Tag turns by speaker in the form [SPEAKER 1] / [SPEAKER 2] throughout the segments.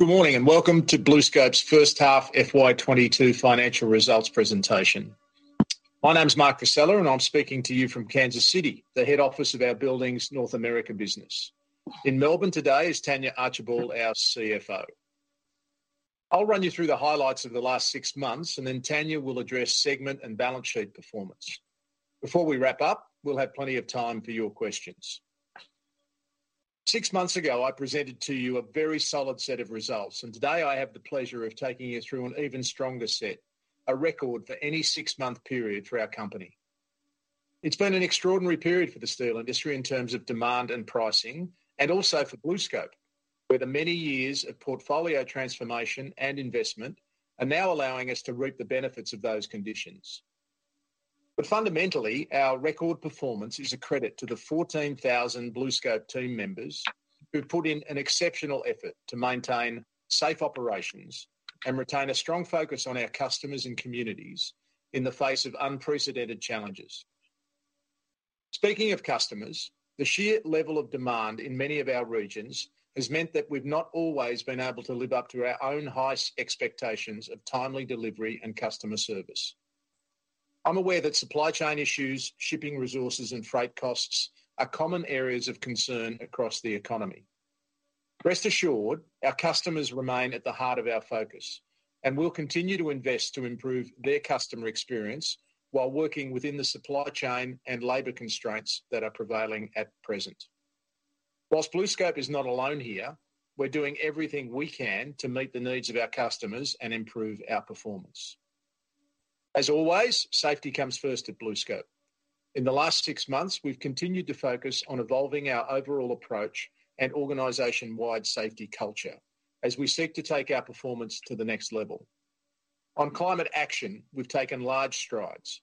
[SPEAKER 1] Good morning, welcome to BlueScope's First Half FY 2022 Financial Results Presentation. My name's Mark Vassella, I'm speaking to you from Kansas City, the head office of our Buildings North America business. In Melbourne today is Tania Archibald, our CFO. I'll run you through the highlights of the last six months, Tania will address segment and balance sheet performance. Before we wrap up, we'll have plenty of time for your questions. Six months ago, I presented to you a very solid set of results, today I have the pleasure of taking you through an even stronger set, a record for any six-month period for our company. It's been an extraordinary period for the steel industry in terms of demand and pricing, also for BlueScope, where the many years of portfolio transformation and investment are now allowing us to reap the benefits of those conditions. Fundamentally, our record performance is a credit to the 14,0000 BlueScope team members who put in an exceptional effort to maintain safe operations and retain a strong focus on our customers and communities in the face of unprecedented challenges. Speaking of customers, the sheer level of demand in many of our regions has meant that we've not always been able to live up to our own high expectations of timely delivery and customer service. I'm aware that supply chain issues, shipping resources, and freight costs are common areas of concern across the economy. Rest assured, our customers remain at the heart of our focus, and we'll continue to invest to improve their customer experience while working within the supply chain and labor constraints that are prevailing at present. Whilst BlueScope is not alone here, we're doing everything we can to meet the needs of our customers and improve our performance. As always, safety comes first at BlueScope. In the last six months, we've continued to focus on evolving our overall approach and organization-wide safety culture as we seek to take our performance to the next level. On climate action, we've taken large strides.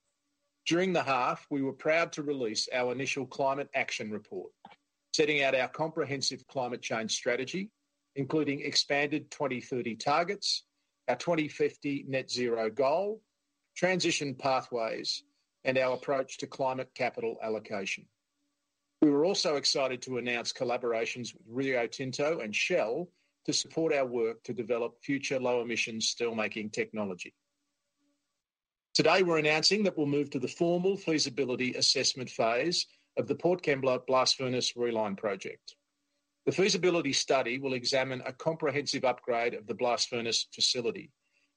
[SPEAKER 1] During the half, we were proud to release our initial climate action report, setting out our comprehensive climate change strategy, including expanded 2030 targets, our 2050 net zero goal, transition pathways, and our approach to climate capital allocation. We were also excited to announce collaborations with Rio Tinto and Shell to support our work to develop future low-emission steel-making technology. Today, we're announcing that we'll move to the formal feasibility assessment phase of the Port Kembla, Blast Furnace Reline project. The feasibility study will examine a comprehensive upgrade of the blast furnace facility,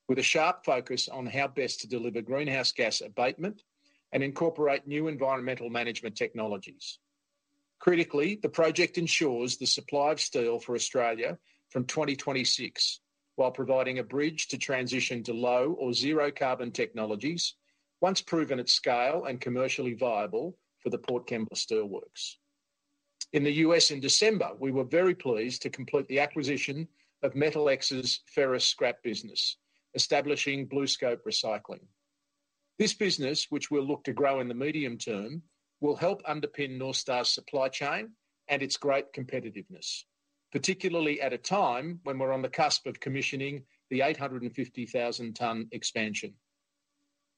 [SPEAKER 1] with a sharp focus on how best to deliver greenhouse gas abatement and incorporate new environmental management technologies. Critically, the project ensures the supply of steel for Australia from 2026 while providing a bridge to transition to low or zero carbon technologies once proven at scale and commercially viable for the Port Kembla Steelworks. In the U.S. in December, we were very pleased to complete the acquisition of MetalX's ferrous scrap business, establishing BlueScope Recycling. This business, which we'll look to grow in the medium-term, will help underpin North Star's supply chain and its great competitiveness, particularly at a time when we're on the cusp of commissioning the 850,000 ton expansion.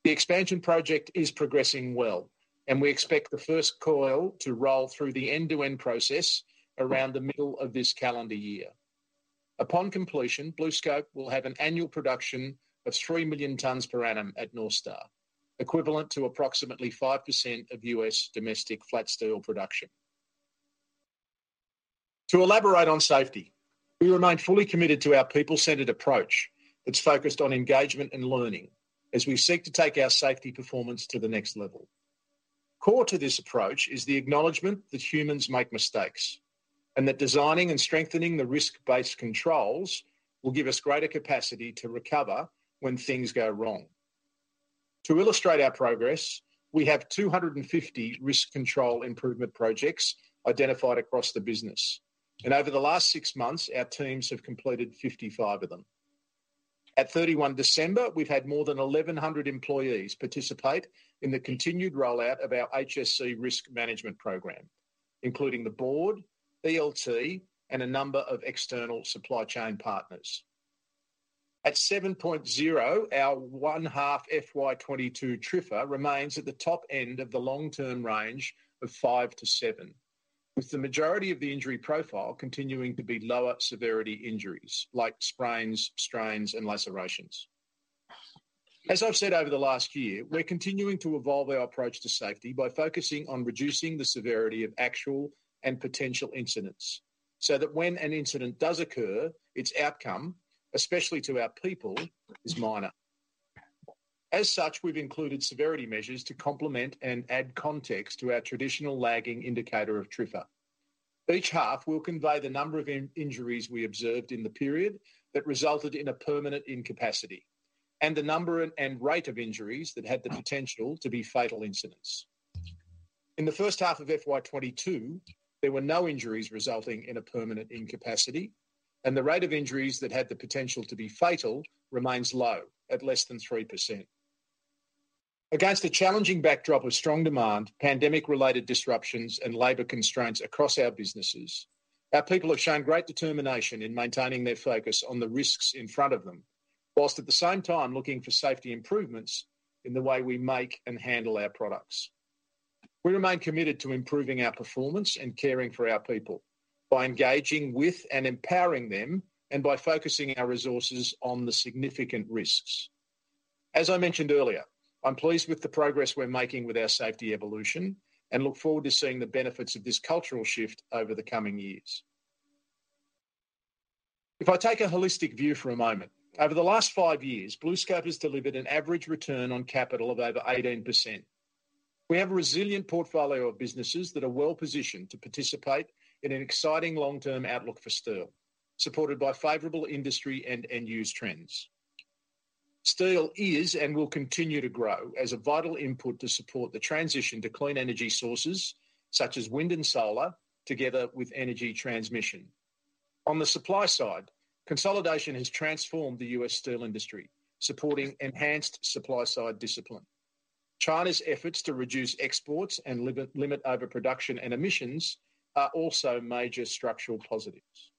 [SPEAKER 1] The expansion project is progressing well, and we expect the first coil to roll through the end-to-end process around the middle of this calendar year. Upon completion, BlueScope will have an annual production of 3 million tons per annum at North Star, equivalent to approximately 5% of U.S. domestic flat steel production. To elaborate on safety, we remain fully committed to our people-centered approach that's focused on engagement and learning as we seek to take our safety performance to the next level. Core to this approach is the acknowledgment that humans make mistakes, and that designing and strengthening the risk-based controls will give us greater capacity to recover when things go wrong. To illustrate our progress, we have 250 risk control improvement projects identified across the business, and over the last six months, our teams have completed 55 of them. At 31 December, we've had more than 1,100 employees participate in the continued rollout of our HSC risk management program, including the board, ELT, and a number of external supply chain partners. At 7.0, our one half FY 2022 TRIFR remains at the top end of the long-term range of 5-7, with the majority of the injury profile continuing to be lower severity injuries, like sprains, strains, and lacerations. As I've said over the last year, we're continuing to evolve our approach to safety by focusing on reducing the severity of actual and potential incidents so that when an incident does occur, its outcome, especially to our people, is minor. As such, we've included severity measures to complement and add context to our traditional lagging indicator of TRIFR. Each half, we'll convey the number of injuries we observed in the period that resulted in a permanent incapacity and the number and rate of injuries that had the potential to be fatal incidents. In the first half of FY 2022, there were no injuries resulting in a permanent incapacity, and the rate of injuries that had the potential to be fatal remains low, at less than 3%. Against a challenging backdrop of strong demand, pandemic-related disruptions, and labor constraints across our businesses, our people have shown great determination in maintaining their focus on the risks in front of them, whilst at the same time looking for safety improvements in the way we make and handle our products. We remain committed to improving our performance and caring for our people by engaging with and empowering them and by focusing our resources on the significant risks. As I mentioned earlier, I'm pleased with the progress we're making with our safety evolution, and look forward to seeing the benefits of this cultural shift over the coming years. If I take a holistic view for a moment, over the last five years, BlueScope has delivered an average return on capital of over 18%. We have a resilient portfolio of businesses that are well-positioned to participate in an exciting long-term outlook for steel, supported by favorable industry and end-use trends. Steel is and will continue to grow as a vital input to support the transition to clean energy sources, such as wind and solar, together with energy transmission. On the supply side, consolidation has transformed the U.S. steel industry, supporting enhanced supply-side discipline. China's efforts to reduce exports and limit overproduction and emissions are also major structural positives.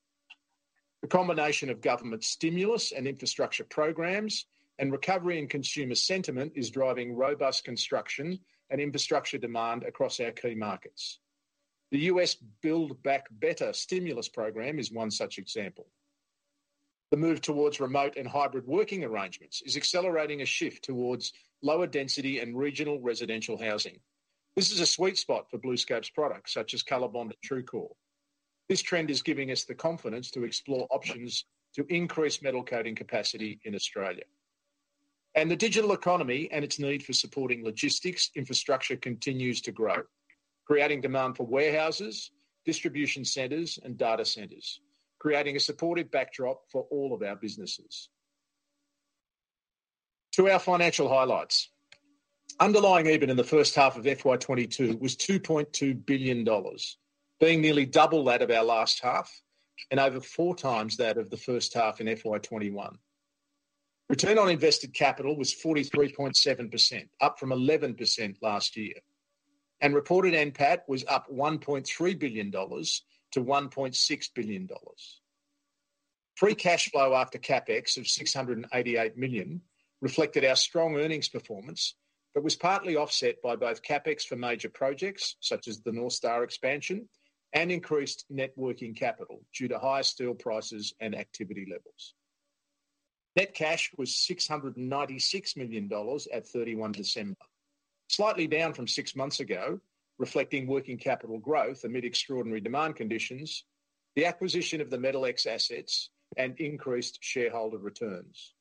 [SPEAKER 1] The combination of government stimulus and infrastructure programs and recovery in consumer sentiment is driving robust construction and infrastructure demand across our key markets. The U.S. Build Back Better stimulus program is one such example. The move towards remote and hybrid working arrangements is accelerating a shift towards lower density and regional residential housing. This is a sweet spot for BlueScope's products, such as COLORBOND and TRUECORE. This trend is giving us the confidence to explore options to increase metal coating capacity in Australia. The digital economy and its need for supporting logistics infrastructure continues to grow, creating demand for warehouses, distribution centers, and data centers, creating a supportive backdrop for all of our businesses. To our financial highlights. Underlying EBIT in the first half of FY 2022 was 2.2 billion dollars, being nearly double that of our last half and over 4x that of the first half in FY 2021. Return on invested capital was 43.7%, up from 11% last year. Reported NPAT was up 1.3 billion dollars to 1.6 billion dollars. Free cash flow after CapEx of 688 million reflected our strong earnings performance, was partly offset by both CapEx for major projects, such as the North Star expansion, and increased net working capital due to higher steel prices and activity levels. Net cash was 696 million dollars at 31 December, slightly down from six months ago, reflecting working capital growth amid extraordinary demand conditions, the acquisition of the MetalX assets, and increased shareholder returns.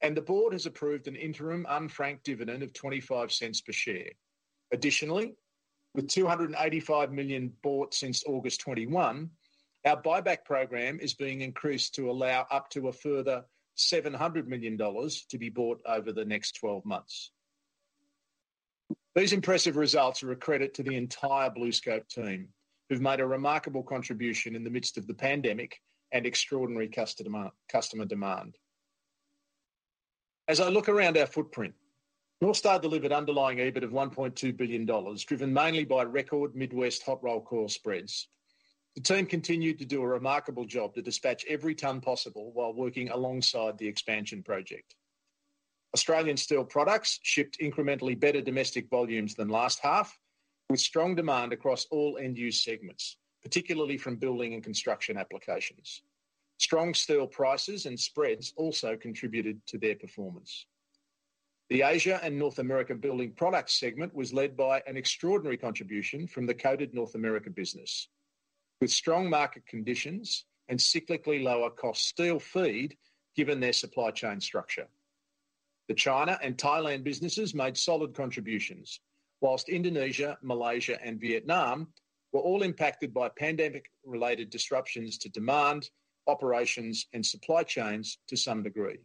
[SPEAKER 1] The board has approved an interim unfranked dividend of 0.25 per share. Additionally, with 285 million bought since August 2021, our buyback program is being increased to allow up to a further 700 million dollars to be bought over the next 12 months. These impressive results are a credit to the entire BlueScope team, who've made a remarkable contribution in the midst of the pandemic and extraordinary customer demand. As I look around our footprint, North Star delivered underlying EBIT of 1.2 billion dollars, driven mainly by record Midwest hot-rolled coil spreads. The team continued to do a remarkable job to dispatch every ton possible while working alongside the expansion project. Australian Steel Products shipped incrementally better domestic volumes than last half, with strong demand across all end-use segments, particularly from building and construction applications. Strong steel prices and spreads also contributed to their performance. The Asia and North America Building Products segment was led by an extraordinary contribution from the Coated North America business, with strong market conditions and cyclically lower cost steel feed given their supply chain structure. The China and Thailand businesses made solid contributions, whilst Indonesia, Malaysia, and Vietnam were all impacted by pandemic-related disruptions to demand, operations, and supply chains to some degree.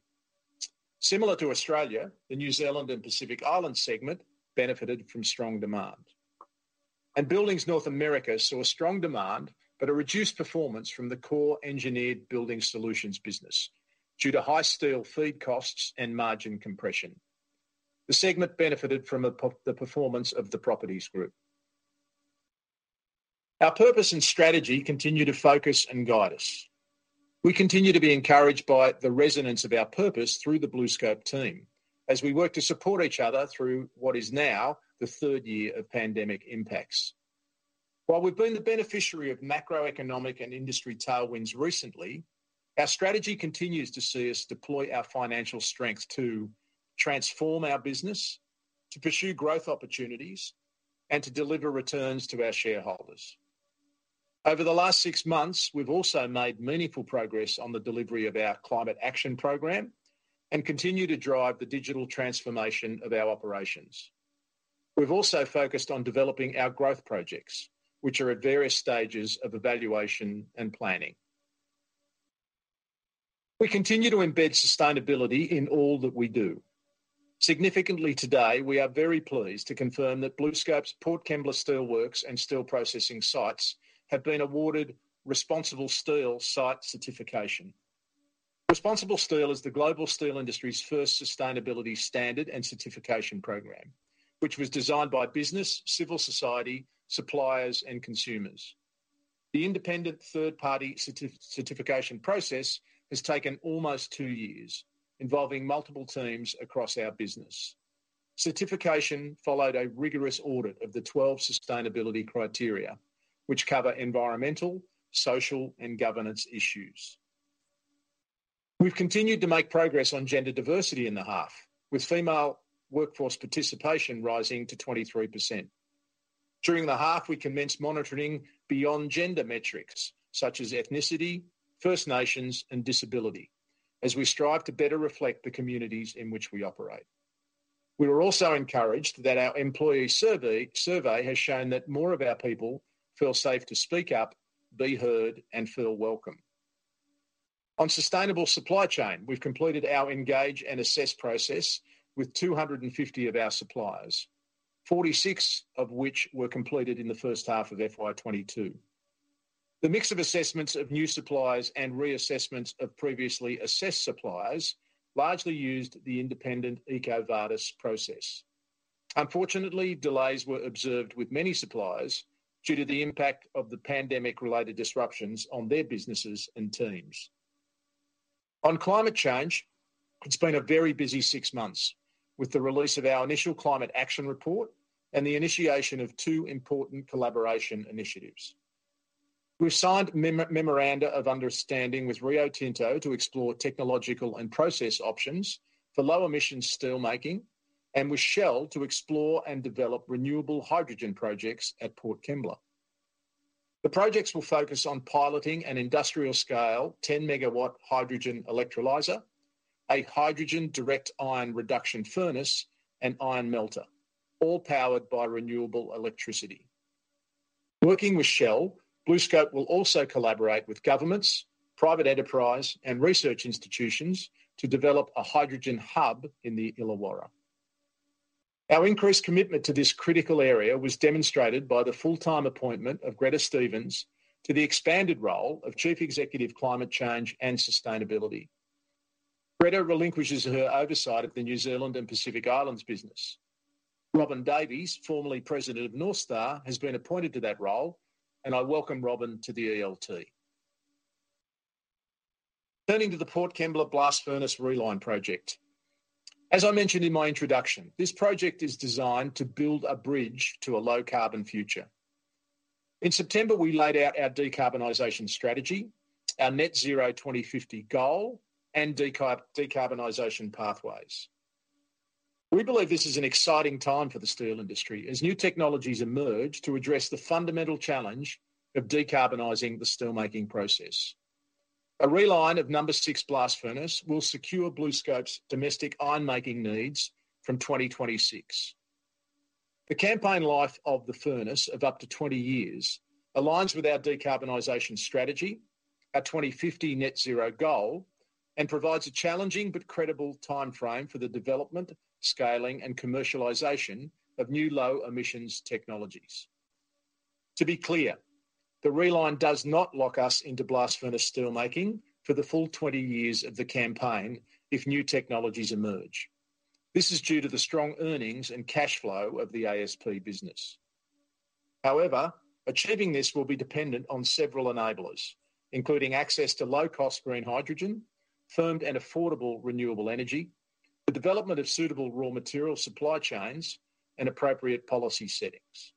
[SPEAKER 1] Similar to Australia, the New Zealand and Pacific Islands segment benefited from strong demand. Buildings North America saw strong demand, but a reduced performance from the core Engineered Building Solutions business due to high steel feed costs and margin compression. The segment benefited from the performance of the Properties Group. Our purpose and strategy continue to focus and guide us. We continue to be encouraged by the resonance of our purpose through the BlueScope team as we work to support each other through what is now the third year of pandemic impacts. While we've been the beneficiary of macroeconomic and industry tailwinds recently, our strategy continues to see us deploy our financial strength to transform our business, to pursue growth opportunities, and to deliver returns to our shareholders. Over the last six months, we've also made meaningful progress on the delivery of our climate action program and continue to drive the digital transformation of our operations. We've also focused on developing our growth projects, which are at various stages of evaluation and planning. We continue to embed sustainability in all that we do. Significantly today, we are very pleased to confirm that BlueScope's Port Kembla Steelworks and steel processing sites have been awarded ResponsibleSteel site certification. ResponsibleSteel is the global steel industry's first sustainability standard and certification program, which was designed by business, civil society, suppliers, and consumers. The independent third-party certification process has taken almost two years, involving multiple teams across our business. Certification followed a rigorous audit of the 12 sustainability criteria, which cover environmental, social, and governance issues. We've continued to make progress on gender diversity in the half, with female workforce participation rising to 23%. During the half, we commenced monitoring beyond gender metrics such as ethnicity, First Nations, and disability as we strive to better reflect the communities in which we operate. We were also encouraged that our employee survey has shown that more of our people feel safe to speak up, be heard, and feel welcome. On sustainable supply chain, we've completed our engage and assess process with 250 of our suppliers, 46 of which were completed in the first half of FY 2022. The mix of assessments of new suppliers and reassessments of previously assessed suppliers largely used the independent EcoVadis process. Unfortunately, delays were observed with many suppliers due to the impact of the pandemic-related disruptions on their businesses and teams. On climate change, it's been a very busy six months with the release of our initial climate action report and the initiation of two important collaboration initiatives. We've signed memoranda of understanding with Rio Tinto to explore technological and process options for low-emission steel making, and with Shell to explore and develop renewable hydrogen projects at Port Kembla. The projects will focus on piloting an industrial-scale 10 MW hydrogen electrolyzer, a hydrogen direct iron reduction furnace, and iron melter, all powered by renewable electricity. Working with Shell, BlueScope will also collaborate with governments, private enterprise, and research institutions to develop a hydrogen hub in the Illawarra. Our increased commitment to this critical area was demonstrated by the full-time appointment of Gretta Stephens to the expanded role of Chief Executive Climate Change & Sustainability. Gretta relinquishes her oversight of the New Zealand and Pacific Islands business. Robin Davies, formerly president of North Star, has been appointed to that role. I welcome Robin to the ELT. Turning to the Port Kembla Blast Furnace Reline project. As I mentioned in my introduction, this project is designed to build a bridge to a low-carbon future. In September, we laid out our decarbonization strategy, our net zero 2050 goal, and decarbonization pathways. We believe this is an exciting time for the steel industry as new technologies emerge to address the fundamental challenge of decarbonizing the steelmaking process. A reline of No. 6 Blast Furnace will secure BlueScope's domestic ironmaking needs from 2026. The campaign life of the furnace of up to 20 years aligns with our decarbonization strategy, our 2050 net zero goal, and provides a challenging but credible timeframe for the development, scaling, and commercialization of new low-emissions technologies. To be clear, the reline does not lock us into blast furnace steelmaking for the full 20 years of the campaign if new technologies emerge. This is due to the strong earnings and cash flow of the ASP business. Achieving this will be dependent on several enablers, including access to low-cost green hydrogen, firmed and affordable renewable energy, the development of suitable raw material supply chains, and appropriate policy settings.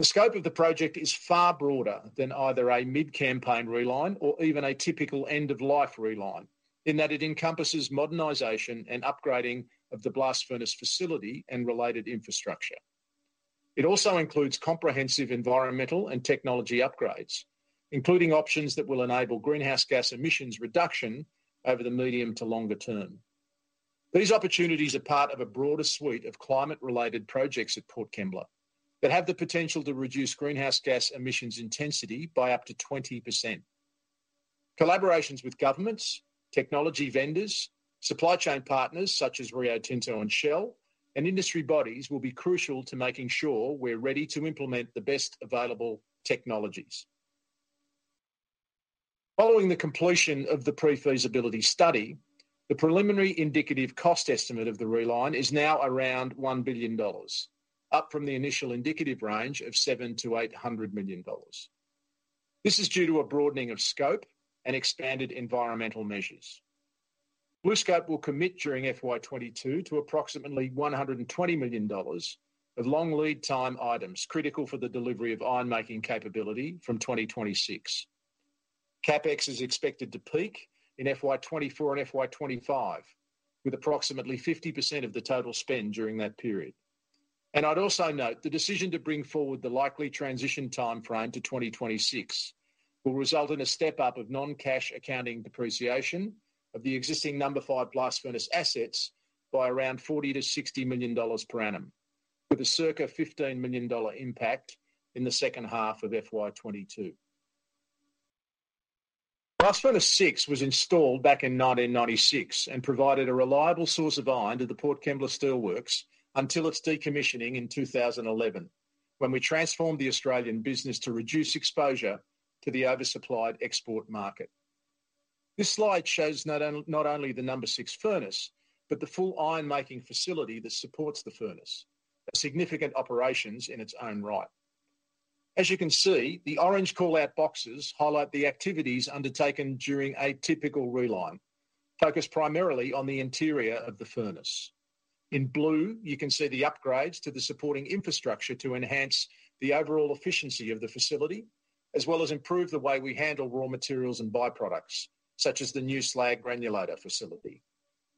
[SPEAKER 1] The scope of the project is far broader than either a mid-campaign reline or even a typical end-of-life reline, in that it encompasses modernization and upgrading of the blast furnace facility and related infrastructure. It also includes comprehensive environmental and technology upgrades, including options that will enable greenhouse gas emissions reduction over the medium to longer term. These opportunities are part of a broader suite of climate-related projects at Port Kembla that have the potential to reduce greenhouse gas emissions intensity by up to 20%. Collaborations with governments, technology vendors, supply chain partners such as Rio Tinto and Shell, and industry bodies will be crucial to making sure we're ready to implement the best available technologies. Following the completion of the pre-feasibility study, the preliminary indicative cost estimate of the reline is now around 1 billion dollars, up from the initial indicative range of 700 million-800 million dollars. This is due to a broadening of scope and expanded environmental measures. BlueScope will commit during FY 2022 to approximately 120 million dollars of long lead time items critical for the delivery of iron making capability from 2026. CapEx is expected to peak in FY 2024 and FY 2025, with approximately 50% of the total spend during that period. I'd also note the decision to bring forward the likely transition timeframe to 2026 will result in a step-up of non-cash accounting depreciation of the existing No. 5 Blast Furnace assets by around 40 million-60 million dollars per annum, with a circa 15 million dollar impact in the second half of FY 2022. No. 6 Blast Furnace was installed back in 1996 and provided a reliable source of iron to the Port Kembla Steelworks until its decommissioning in 2011, when we transformed the Australian business to reduce exposure to the oversupplied export market. This slide shows not only the No. 6 furnace, but the full iron-making facility that supports the furnace, a significant operations in its own right. As you can see, the orange call-out boxes highlight the activities undertaken during a typical reline, focused primarily on the interior of the furnace. In Blue, you can see the upgrades to the supporting infrastructure to enhance the overall efficiency of the facility, as well as improve the way we handle raw materials and byproducts, such as the new slag granulator facility.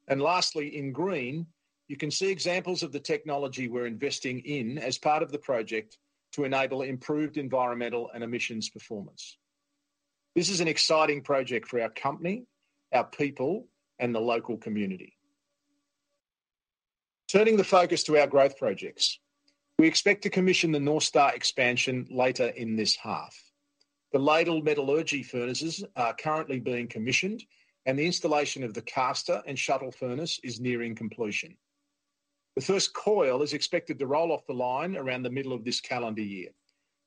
[SPEAKER 1] Lastly, in green, you can see examples of the technology we're investing in as part of the project to enable improved environmental and emissions performance. This is an exciting project for our company, our people, and the local community. Turning the focus to our growth projects, we expect to commission the North Star expansion later in this half. The ladle metallurgy furnaces are currently being commissioned, and the installation of the caster and shuttle furnace is nearing completion. The first coil is expected to roll off the line around the middle of this calendar year,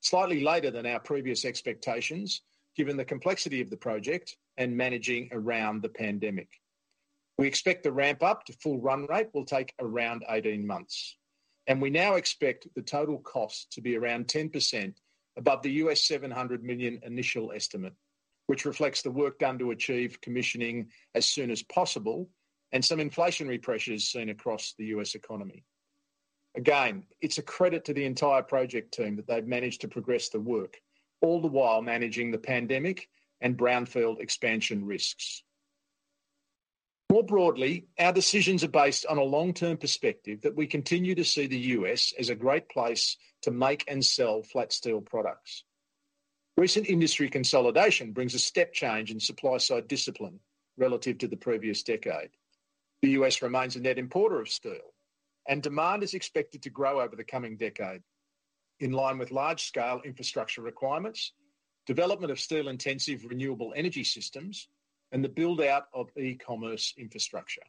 [SPEAKER 1] slightly later than our previous expectations, given the complexity of the project and managing around the pandemic. We expect the ramp-up to full run rate will take around 18 months, and we now expect the total cost to be around 10% above the $700 million initial estimate, which reflects the work done to achieve commissioning as soon as possible and some inflationary pressures seen across the U.S. economy. It's a credit to the entire project team that they've managed to progress the work, all the while managing the pandemic and brownfield expansion risks. More broadly, our decisions are based on a long-term perspective that we continue to see the U.S. as a great place to make and sell flat steel products. Recent industry consolidation brings a step change in supply-side discipline relative to the previous decade. The U.S. remains a net importer of steel, demand is expected to grow over the coming decade in line with large-scale infrastructure requirements, development of steel-intensive renewable energy systems, and the build-out of e-commerce infrastructure.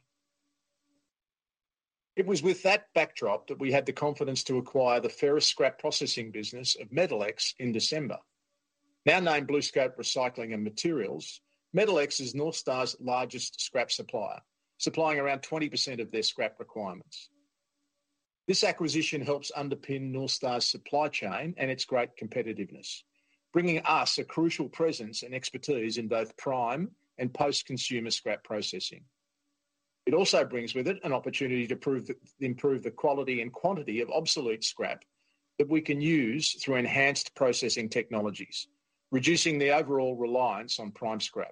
[SPEAKER 1] It was with that backdrop that we had the confidence to acquire the ferrous scrap processing business of MetalX in December. Now named BlueScope Recycling and Materials, MetalX is North Star's largest scrap supplier, supplying around 20% of their scrap requirements. This acquisition helps underpin North Star's supply chain and its great competitiveness, bringing us a crucial presence and expertise in both prime and post-consumer scrap processing. It also brings with it an opportunity to improve the quality and quantity of obsolete scrap that we can use through enhanced processing technologies, reducing the overall reliance on prime scrap.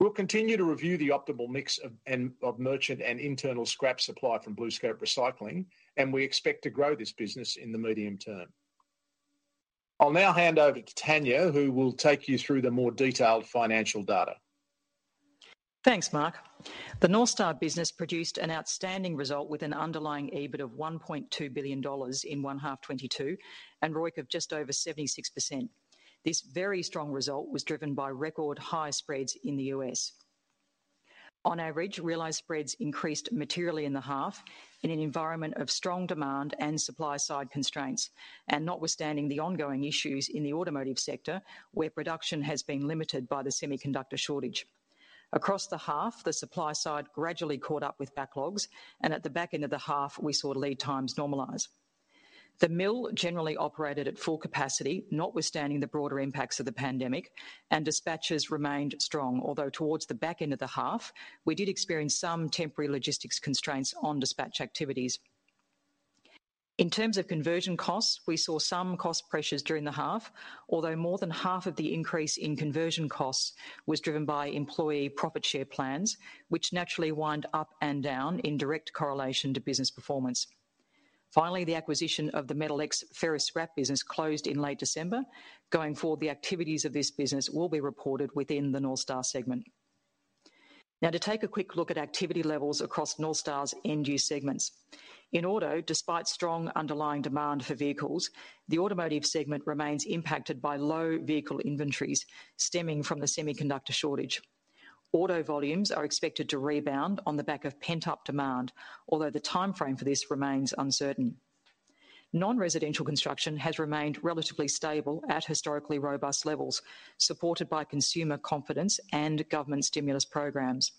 [SPEAKER 1] We'll continue to review the optimal mix of merchant and internal scrap supply from BlueScope Recycling, and we expect to grow this business in the medium term. I'll now hand over to Tania, who will take you through the more detailed financial data.
[SPEAKER 2] Thanks, Mark. The North Star business produced an outstanding result with an underlying EBIT of $1.2 billion in 1H 2022 and ROIC of just over 76%. This very strong result was driven by record-high spreads in the U.S. On average, realized spreads increased materially in the half in an environment of strong demand and supply-side constraints, and notwithstanding the ongoing issues in the automotive sector, where production has been limited by the semiconductor shortage. Across the half, the supply side gradually caught up with backlogs, and at the back end of the half, we saw lead times normalize. The mill generally operated at full capacity, notwithstanding the broader impacts of the pandemic, and dispatches remained strong. Although towards the back end of the half, we did experience some temporary logistics constraints on dispatch activities. In terms of conversion costs, we saw some cost pressures during the half, although more than half of the increase in conversion costs was driven by employee profit share plans, which naturally wind up and down in direct correlation to business performance. The acquisition of the MetalX ferrous scrap business closed in late December. Going forward, the activities of this business will be reported within the North Star segment. To take a quick look at activity levels across North Star's end-use segments. In auto, despite strong underlying demand for vehicles, the automotive segment remains impacted by low vehicle inventories stemming from the semiconductor shortage. Auto volumes are expected to rebound on the back of pent-up demand, although the timeframe for this remains uncertain. Non-residential construction has remained relatively stable at historically robust levels, supported by consumer confidence and government stimulus programs.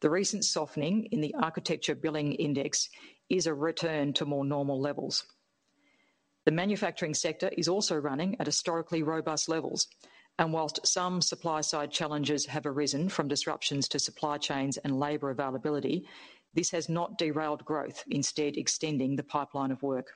[SPEAKER 2] The recent softening in the Architecture Billings Index is a return to more normal levels. The manufacturing sector is also running at historically robust levels, and whilst some supply-side challenges have arisen from disruptions to supply chains and labor availability, this has not derailed growth, instead extending the pipeline of work.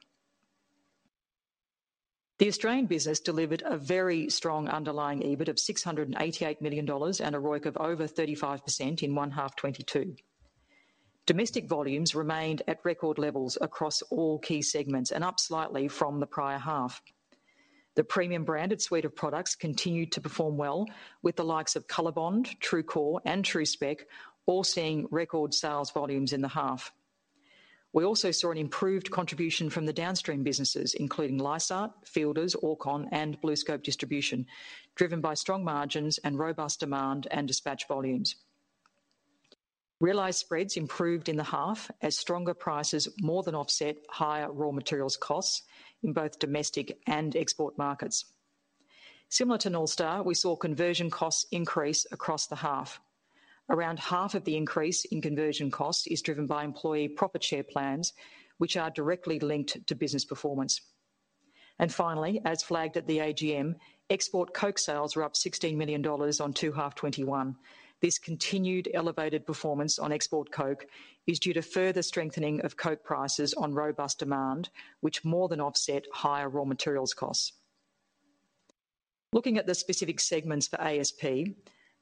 [SPEAKER 2] The Australian business delivered a very strong underlying EBIT of 688 million dollars and a ROIC of over 35% in one half 2022. Domestic volumes remained at record levels across all key segments and up slightly from the prior half. The premium-branded suite of products continued to perform well with the likes of COLORBOND, TRUECORE, and TRU-SPEC all seeing record sales volumes in the half. We also saw an improved contribution from the downstream businesses, including Lysaght, Fielders, Orrcon, and BlueScope Distribution, driven by strong margins and robust demand and dispatch volumes. Realized spreads improved in the half as stronger prices more than offset higher raw materials costs in both domestic and export markets. Similar to North Star, we saw conversion costs increase across the half. Around half of the increase in conversion cost is driven by employee profit share plans, which are directly linked to business performance. Finally, as flagged at the AGM, export coke sales were up 16 million dollars on H2 2021. This continued elevated performance on export coke is due to further strengthening of coke prices on robust demand, which more than offset higher raw materials costs. Looking at the specific segments for ASP,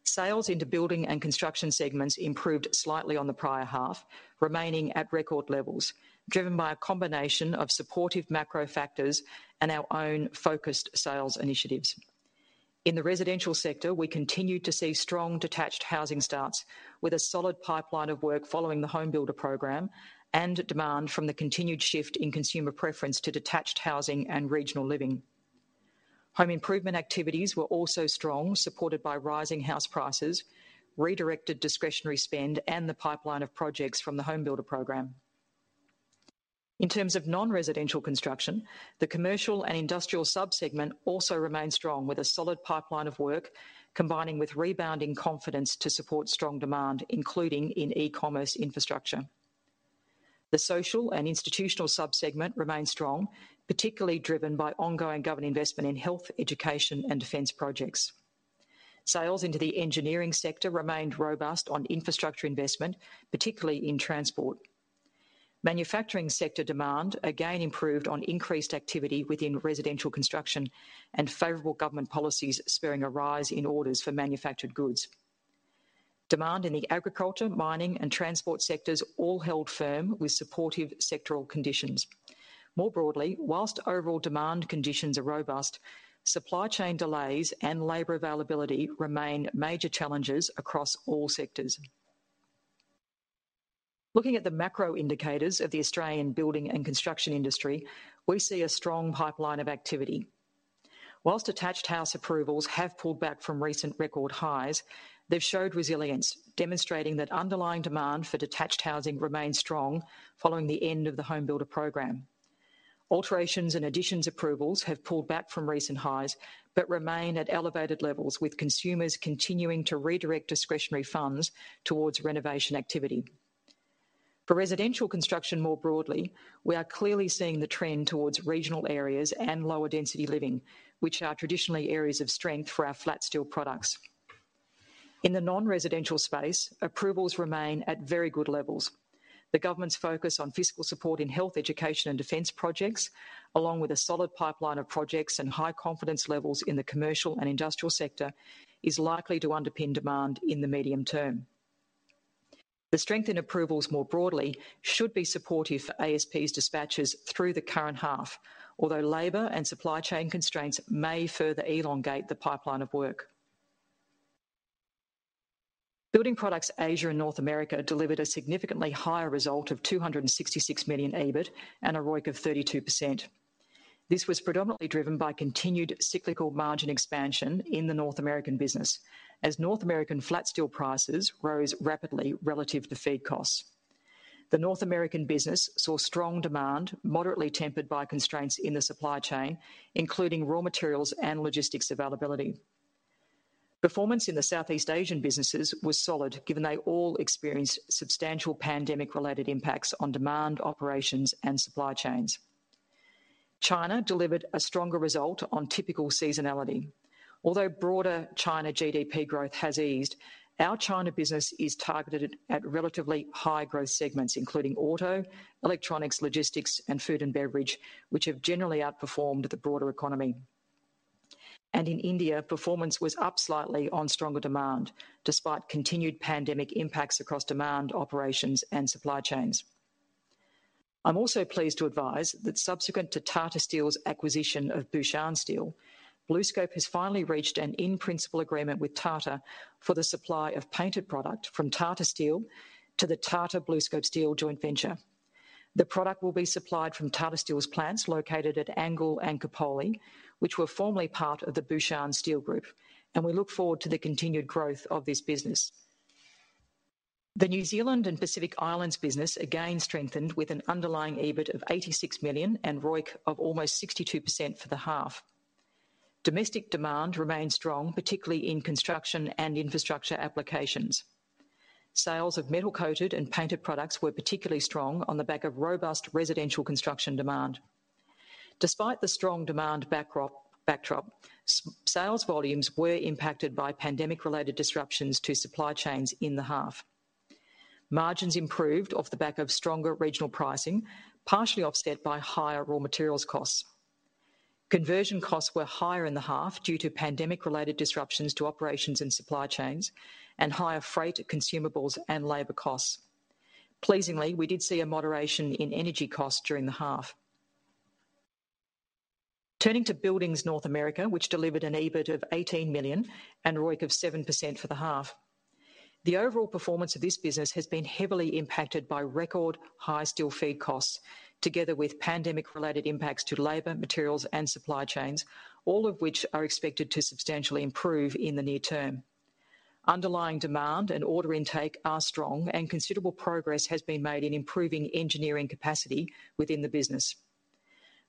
[SPEAKER 2] sales into building and construction segments improved slightly on the prior half, remaining at record levels, driven by a combination of supportive macro factors and our own focused sales initiatives. In the residential sector, we continued to see strong detached housing starts with a solid pipeline of work following the HomeBuilder program and demand from the continued shift in consumer preference to detached housing and regional living. Home improvement activities were also strong, supported by rising house prices, redirected discretionary spend, and the pipeline of projects from the HomeBuilder program. In terms of non-residential construction, the commercial and industrial subsegment also remained strong with a solid pipeline of work, combining with rebounding confidence to support strong demand, including in e-commerce infrastructure. The social and institutional subsegment remained strong, particularly driven by ongoing government investment in health, education, and defense projects. Sales into the engineering sector remained robust on infrastructure investment, particularly in transport. Manufacturing sector demand again improved on increased activity within residential construction and favorable government policies, spurring a rise in orders for manufactured goods. Demand in the agriculture, mining, and transport sectors all held firm with supportive sectoral conditions. More broadly, whilst overall demand conditions are robust, supply chain delays and labor availability remain major challenges across all sectors. Looking at the macro indicators of the Australian building and construction industry, we see a strong pipeline of activity. Whilst detached house approvals have pulled back from recent record highs, they've showed resilience, demonstrating that underlying demand for detached housing remains strong following the end of the HomeBuilder program. Alterations and additions approvals have pulled back from recent highs, but remain at elevated levels, with consumers continuing to redirect discretionary funds towards renovation activity. For residential construction more broadly, we are clearly seeing the trend towards regional areas and lower density living, which are traditionally areas of strength for our flat steel products. In the non-residential space, approvals remain at very good levels. The government's focus on fiscal support in health, education, and defense projects, along with a solid pipeline of projects and high confidence levels in the commercial and industrial sector, is likely to underpin demand in the medium term. The strength in approvals more broadly should be supportive for ASP's dispatches through the current half, although labor and supply chain constraints may further elongate the pipeline of work. Building Products Asia and North America delivered a significantly higher result of 266 million EBIT and a ROIC of 32%. This was predominantly driven by continued cyclical margin expansion in the North American business as North American flat steel prices rose rapidly relative to feed costs. The North American business saw strong demand, moderately tempered by constraints in the supply chain, including raw materials and logistics availability. Performance in the Southeast Asian businesses was solid, given they all experienced substantial pandemic-related impacts on demand, operations, and supply chains. China delivered a stronger result on typical seasonality. Although broader China GDP growth has eased, our China business is targeted at relatively high-growth segments, including auto, electronics, logistics, and food and beverage, which have generally outperformed the broader economy. In India, performance was up slightly on stronger demand, despite continued pandemic impacts across demand, operations, and supply chains. I'm also pleased to advise that subsequent to Tata Steel's acquisition of Bhushan Steel, BlueScope has finally reached an in-principle agreement with Tata for the supply of painted product from Tata Steel to the Tata BlueScope Steel joint venture. The product will be supplied from Tata Steel's plants located at Angul and Khopoli, which were formerly part of the Bhushan Steel Group, and we look forward to the continued growth of this business. The New Zealand and Pacific Islands business again strengthened with an underlying EBIT of 86 million and ROIC of almost 62% for the half. Domestic demand remained strong, particularly in construction and infrastructure applications. Sales of metal-coated and painted products were particularly strong on the back of robust residential construction demand. Despite the strong demand backdrop, sales volumes were impacted by pandemic-related disruptions to supply chains in the half. Margins improved off the back of stronger regional pricing, partially offset by higher raw materials costs. Conversion costs were higher in the half due to pandemic-related disruptions to operations and supply chains and higher freight, consumables, and labor costs. Pleasingly, we did see a moderation in energy costs during the half. Turning to Buildings North America, which delivered an EBIT of 18 million and ROIC of 7% for the half. The overall performance of this business has been heavily impacted by record high steel feed costs, together with pandemic-related impacts to labor, materials, and supply chains, all of which are expected to substantially improve in the near term. Underlying demand and order intake are strong, and considerable progress has been made in improving engineering capacity within the business.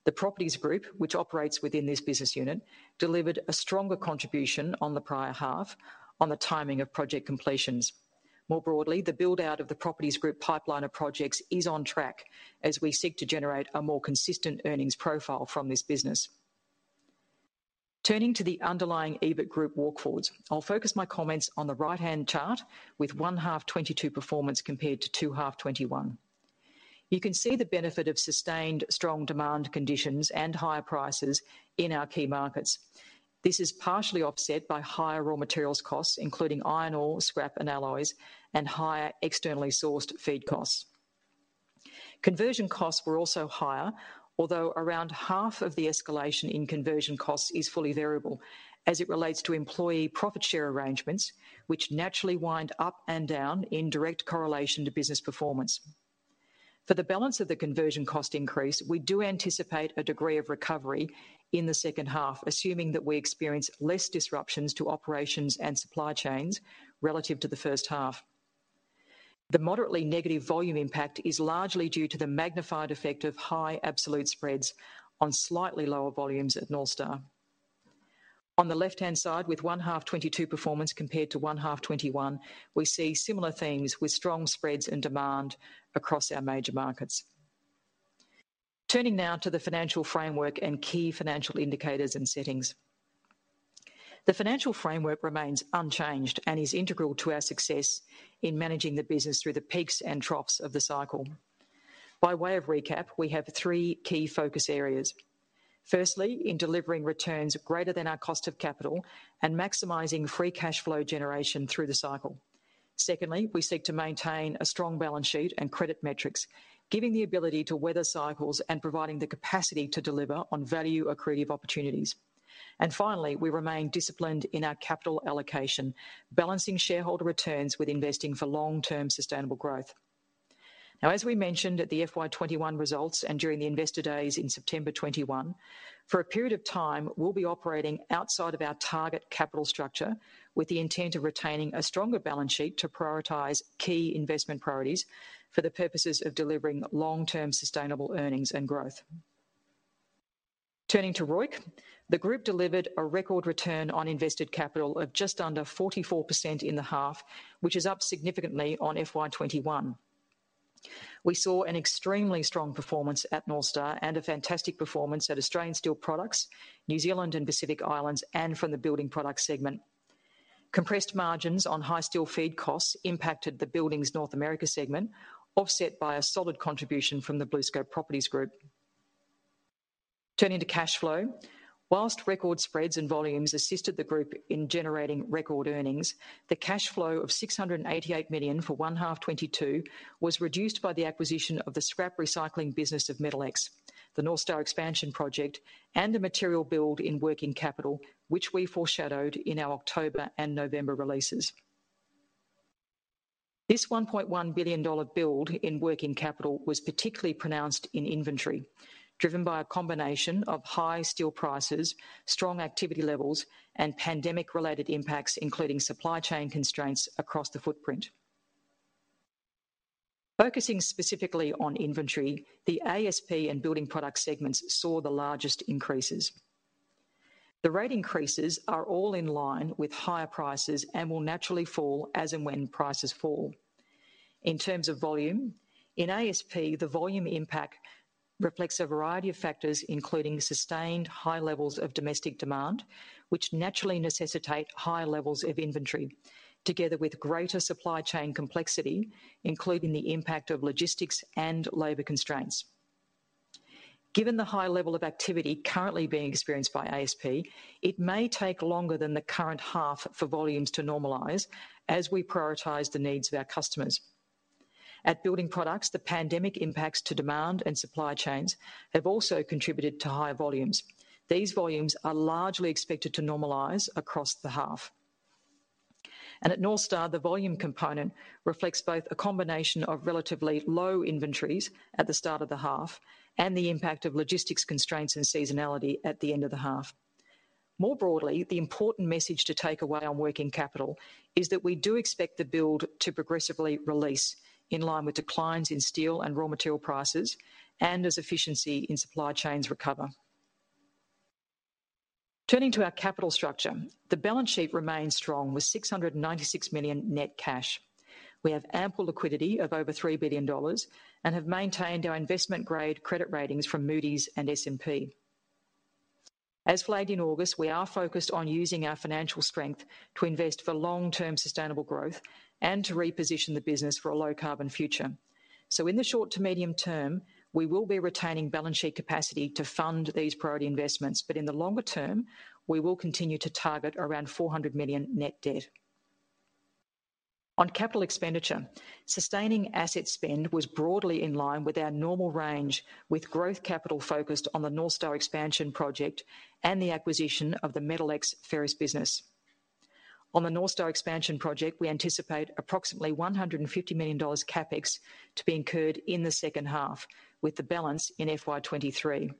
[SPEAKER 2] The Properties Group, which operates within this business unit, delivered a stronger contribution on the prior half on the timing of project completions. More broadly, the build-out of the Properties Group pipeline of projects is on track as we seek to generate a more consistent earnings profile from this business. Turning to the underlying EBIT group walk forwards. I'll focus my comments on the right-hand chart with one half 2022 performance compared to two half 2021. You can see the benefit of sustained strong demand conditions and higher prices in our key markets. This is partially offset by higher raw materials costs, including iron ore, scrap, and alloys, and higher externally sourced feed costs. Conversion costs were also higher, although around half of the escalation in conversion costs is fully variable as it relates to employee profit share arrangements, which naturally wind up and down in direct correlation to business performance. For the balance of the conversion cost increase, we do anticipate a degree of recovery in the second half, assuming that we experience less disruptions to operations and supply chains relative to the first half. The moderately negative volume impact is largely due to the magnified effect of high absolute spreads on slightly lower volumes at North Star. On the left-hand side, with 1H 2022 performance compared to 1H 2021, we see similar themes with strong spreads and demand across our major markets. Turning now to the financial framework and key financial indicators and settings. The financial framework remains unchanged and is integral to our success in managing the business through the peaks and troughs of the cycle. By way of recap, we have three key focus areas. Firstly, in delivering returns greater than our cost of capital and maximizing free cash flow generation through the cycle. Secondly, we seek to maintain a strong balance sheet and credit metrics, giving the ability to weather cycles and providing the capacity to deliver on value accretive opportunities. Finally, we remain disciplined in our capital allocation, balancing shareholder returns with investing for long-term sustainable growth. As we mentioned at the FY 2021 results and during the investor days in September 2021, for a period of time, we'll be operating outside of our target capital structure with the intent of retaining a stronger balance sheet to prioritize key investment priorities for the purposes of delivering long-term sustainable earnings and growth. Turning to ROIC, the group delivered a record return on invested capital of just under 44% in the half, which is up significantly on FY 2021. We saw an extremely strong performance at North Star and a fantastic performance at Australian Steel Products, New Zealand and Pacific Islands, and from the Building Products segment. Compressed margins on high steel feed costs impacted the Buildings North America segment, offset by a solid contribution from the BlueScope Properties Group. Turning to cash flow. Whilst record spreads and volumes assisted the group in generating record earnings, the cash flow of 688 million for one half 2022 was reduced by the acquisition of the scrap recycling business of MetalX, the North Star Expansion project, and the material build in working capital, which we foreshadowed in our October and November releases. This 1.1 billion dollar build in working capital was particularly pronounced in inventory, driven by a combination of high steel prices, strong activity levels, and pandemic-related impacts, including supply chain constraints across the footprint. Focusing specifically on inventory, the ASP and Building Products segments saw the largest increases. The rate increases are all in line with higher prices and will naturally fall as and when prices fall. In terms of volume, in ASP, the volume impact reflects a variety of factors, including sustained high levels of domestic demand, which naturally necessitate higher levels of inventory, together with greater supply chain complexity, including the impact of logistics and labor constraints. Given the high level of activity currently being experienced by ASP, it may take longer than the current half for volumes to normalize as we prioritize the needs of our customers. At Building Products, the pandemic impacts to demand and supply chains have also contributed to higher volumes. These volumes are largely expected to normalize across the half. At North Star, the volume component reflects both a combination of relatively low inventories at the start of the half and the impact of logistics constraints and seasonality at the end of the half. More broadly, the important message to take away on working capital is that we do expect the build to progressively release in line with declines in steel and raw material prices and as efficiency in supply chains recover. Turning to our capital structure. The balance sheet remains strong with 696 million net cash. We have ample liquidity of over 3 billion dollars and have maintained our investment-grade credit ratings from Moody's and S&P. As flagged in August, we are focused on using our financial strength to invest for long-term sustainable growth and to reposition the business for a low-carbon future. In the short to medium term, we will be retaining balance sheet capacity to fund these priority investments. In the longer term, we will continue to target around 400 million net debt. On capital expenditure, sustaining asset spend was broadly in line with our normal range, with growth capital focused on the North Star Expansion project and the acquisition of the MetalX ferrous business. On the North Star Expansion project, we anticipate approximately 150 million dollars CapEx to be incurred in the second half, with the balance in FY 2023.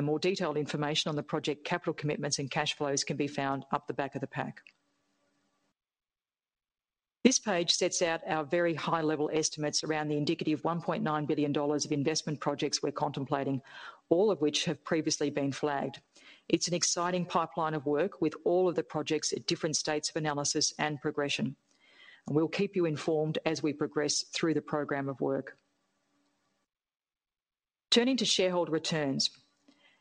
[SPEAKER 2] More detailed information on the project capital commitments and cash flows can be found up the back of the pack. This page sets out our very high-level estimates around the indicative 1.9 billion dollars of investment projects we're contemplating, all of which have previously been flagged. It's an exciting pipeline of work with all of the projects at different states of analysis and progression, and we'll keep you informed as we progress through the program of work. Turning to shareholder returns.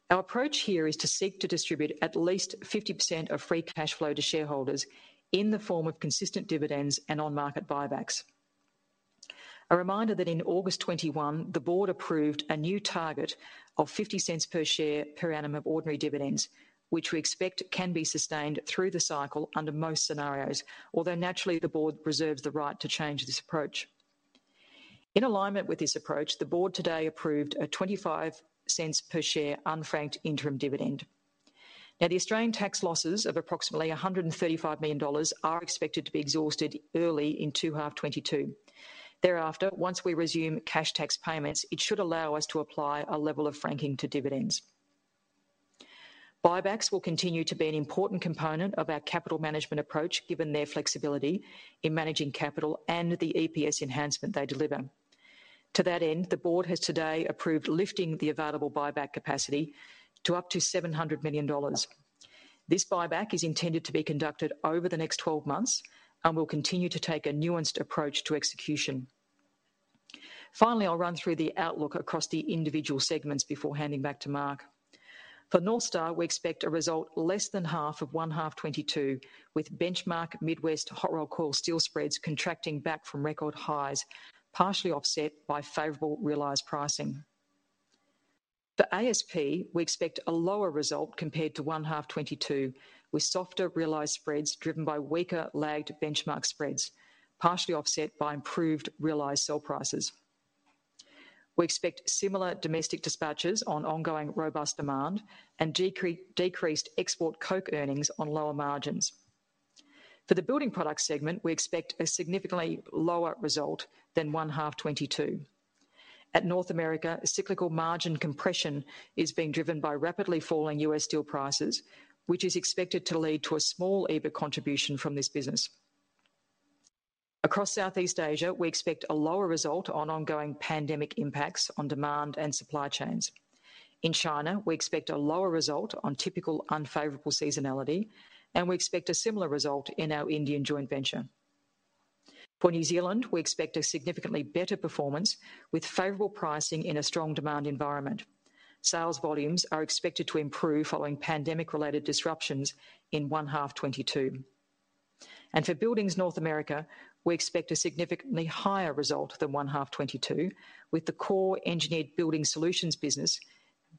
[SPEAKER 2] Our approach here is to seek to distribute at least 50% of free cash flow to shareholders in the form of consistent dividends and on-market buybacks. A reminder that in August 2021, the board approved a new target of 0.50 per share per annum of ordinary dividends, which we expect can be sustained through the cycle under most scenarios. Naturally, the board reserves the right to change this approach. In alignment with this approach, the board today approved a 0.25 per share unfranked interim dividend. The Australian tax losses of approximately 135 million dollars are expected to be exhausted early in 2H 2022. Thereafter, once we resume cash tax payments, it should allow us to apply a level of franking to dividends. Buybacks will continue to be an important component of our capital management approach, given their flexibility in managing capital and the EPS enhancement they deliver. To that end, the board has today approved lifting the available buyback capacity to up to 700 million dollars. This buyback is intended to be conducted over the next 12 months and will continue to take a nuanced approach to execution. I'll run through the outlook across the individual segments before handing back to Mark. For North Star, we expect a result less than half of 1H 2022, with benchmark Midwest hot-rolled coil steel spreads contracting back from record highs, partially offset by favorable realized pricing. For ASP, we expect a lower result compared to 1H 2022, with softer realized spreads driven by weaker lagged benchmark spreads, partially offset by improved realized sale prices. We expect similar domestic dispatches on ongoing robust demand and decreased export coke earnings on lower margins. For the Building Products segment, we expect a significantly lower result than one half 2022. At North America, cyclical margin compression is being driven by rapidly falling U.S. steel prices, which is expected to lead to a small EBIT contribution from this business. Across Southeast Asia, we expect a lower result on ongoing pandemic impacts on demand and supply chains. In China, we expect a lower result on typical unfavorable seasonality, and we expect a similar result in our Indian joint venture. For New Zealand, we expect a significantly better performance with favorable pricing in a strong demand environment. Sales volumes are expected to improve following pandemic-related disruptions in one half 2022. For Buildings North America, we expect a significantly higher result than 1H 2022, with the core Engineered Building Solutions business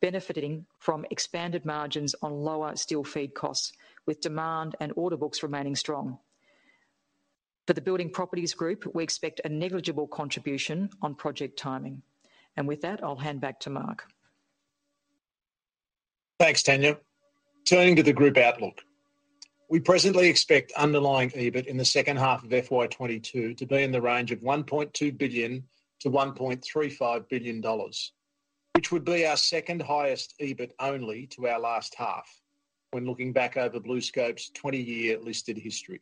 [SPEAKER 2] benefiting from expanded margins on lower steel feed costs, with demand and order books remaining strong. For the BlueScope Properties Group, we expect a negligible contribution on project timing. With that, I'll hand back to Mark.
[SPEAKER 1] Thanks, Tania. Turning to the group outlook. We presently expect underlying EBIT in the second half of FY 2022 to be in the range of 1.2 billion-1.35 billion dollars, which would be our second-highest EBIT only to our last half when looking back over BlueScope's 20-year listed history.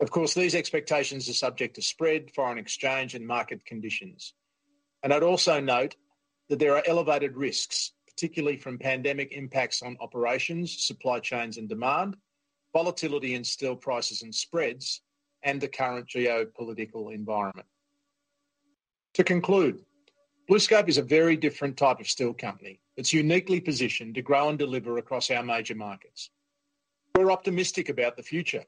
[SPEAKER 1] Of course, these expectations are subject to spread, foreign exchange, and market conditions. I'd also note that there are elevated risks, particularly from pandemic impacts on operations, supply chains and demand, volatility in steel prices and spreads, and the current geopolitical environment. To conclude, BlueScope is a very different type of steel company. It's uniquely positioned to grow and deliver across our major markets. We're optimistic about the future.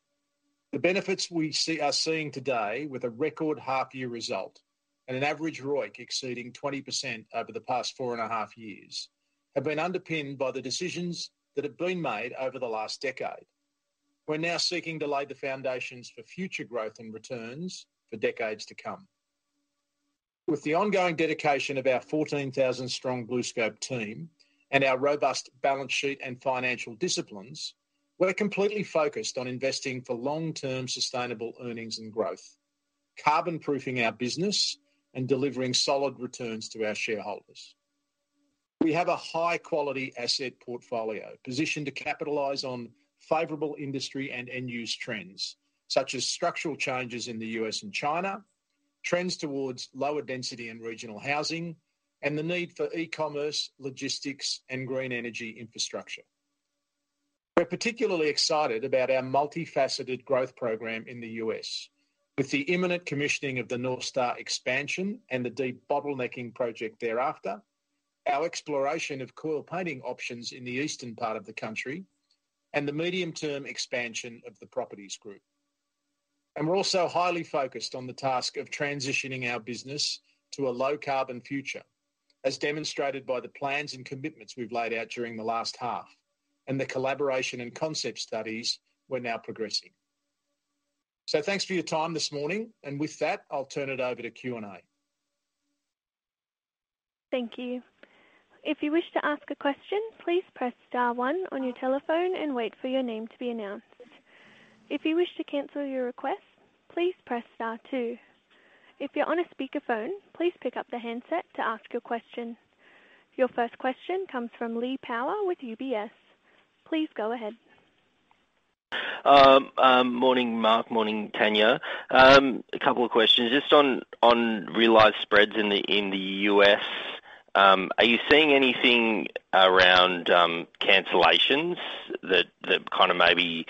[SPEAKER 1] The benefits we are seeing today with a record half-year result and an average ROIC exceeding 20% over the past four and a half years, have been underpinned by the decisions that have been made over the last decade. We're now seeking to lay the foundations for future growth and returns for decades to come. With the ongoing dedication of our 14,000-strong BlueScope team and our robust balance sheet and financial disciplines, we're completely focused on investing for long-term sustainable earnings and growth, carbon-proofing our business, and delivering solid returns to our shareholders. We have a high-quality asset portfolio positioned to capitalize on favorable industry and end-use trends, such as structural changes in the U.S. and China, trends towards lower density and regional housing, and the need for e-commerce, logistics, and green energy infrastructure. We're particularly excited about our multifaceted growth program in the U.S., with the imminent commissioning of the North Star expansion and the deep bottlenecking project thereafter, our exploration of coil painting options in the eastern part of the country, and the medium-term expansion of the Properties group. We're also highly focused on the task of transitioning our business to a low-carbon future, as demonstrated by the plans and commitments we've laid out during the last half and the collaboration and concept studies we're now progressing. Thanks for your time this morning. With that, I'll turn it over to Q&A.
[SPEAKER 3] Thank you. If you wish to ask a question, please press star one on your telephone and wait for your name to be announced. If you wish to cancel your request, please press star two. If you're on a speakerphone, please pick up the handset to ask your question. Your first question comes from Lee Power with UBS. Please go ahead.
[SPEAKER 4] Morning, Mark. Morning, Tania. A couple of questions. Just on realized spreads in the U.S., are you seeing anything around cancellations that kinda maybe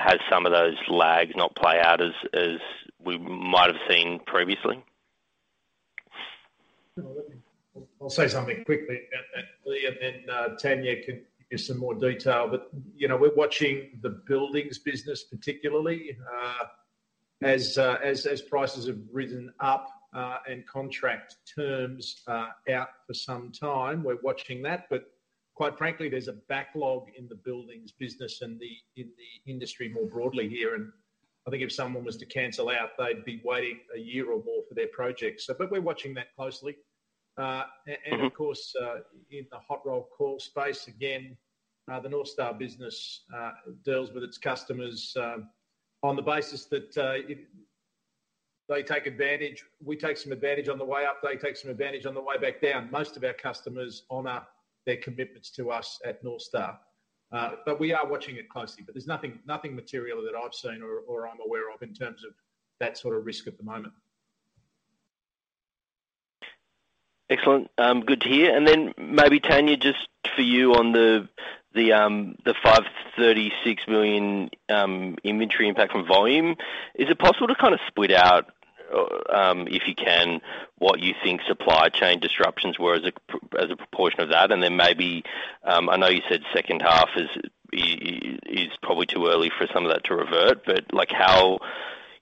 [SPEAKER 4] has some of those lags not play out as we might have seen previously?
[SPEAKER 1] I'll say something quickly Lee, and then Tania can give some more detail. You know, we're watching the buildings business, particularly as prices have risen up and contract terms out for some time. We're watching that. Quite frankly, there's a backlog in the buildings business and in the industry more broadly here. I think if someone was to cancel out, they'd be waiting a year or more for their project. We're watching that closely. Of course, in the Hot Rolled Coil space again, the North Star business deals with its customers on the basis that if they take advantage, we take some advantage on the way up. They take some advantage on the way back down. Most of our customers honor their commitments to us at North Star. We are watching it closely. There's nothing material that I've seen or I'm aware of in terms of that sort of risk at the moment.
[SPEAKER 4] Excellent. Good to hear. Maybe, Tania, just for you on the 536 million inventory impact from volume. Is it possible to kinda split out, if you can, what you think supply chain disruptions were as a proportion of that? Maybe, I know you said second half is probably too early for some of that to revert. Like how,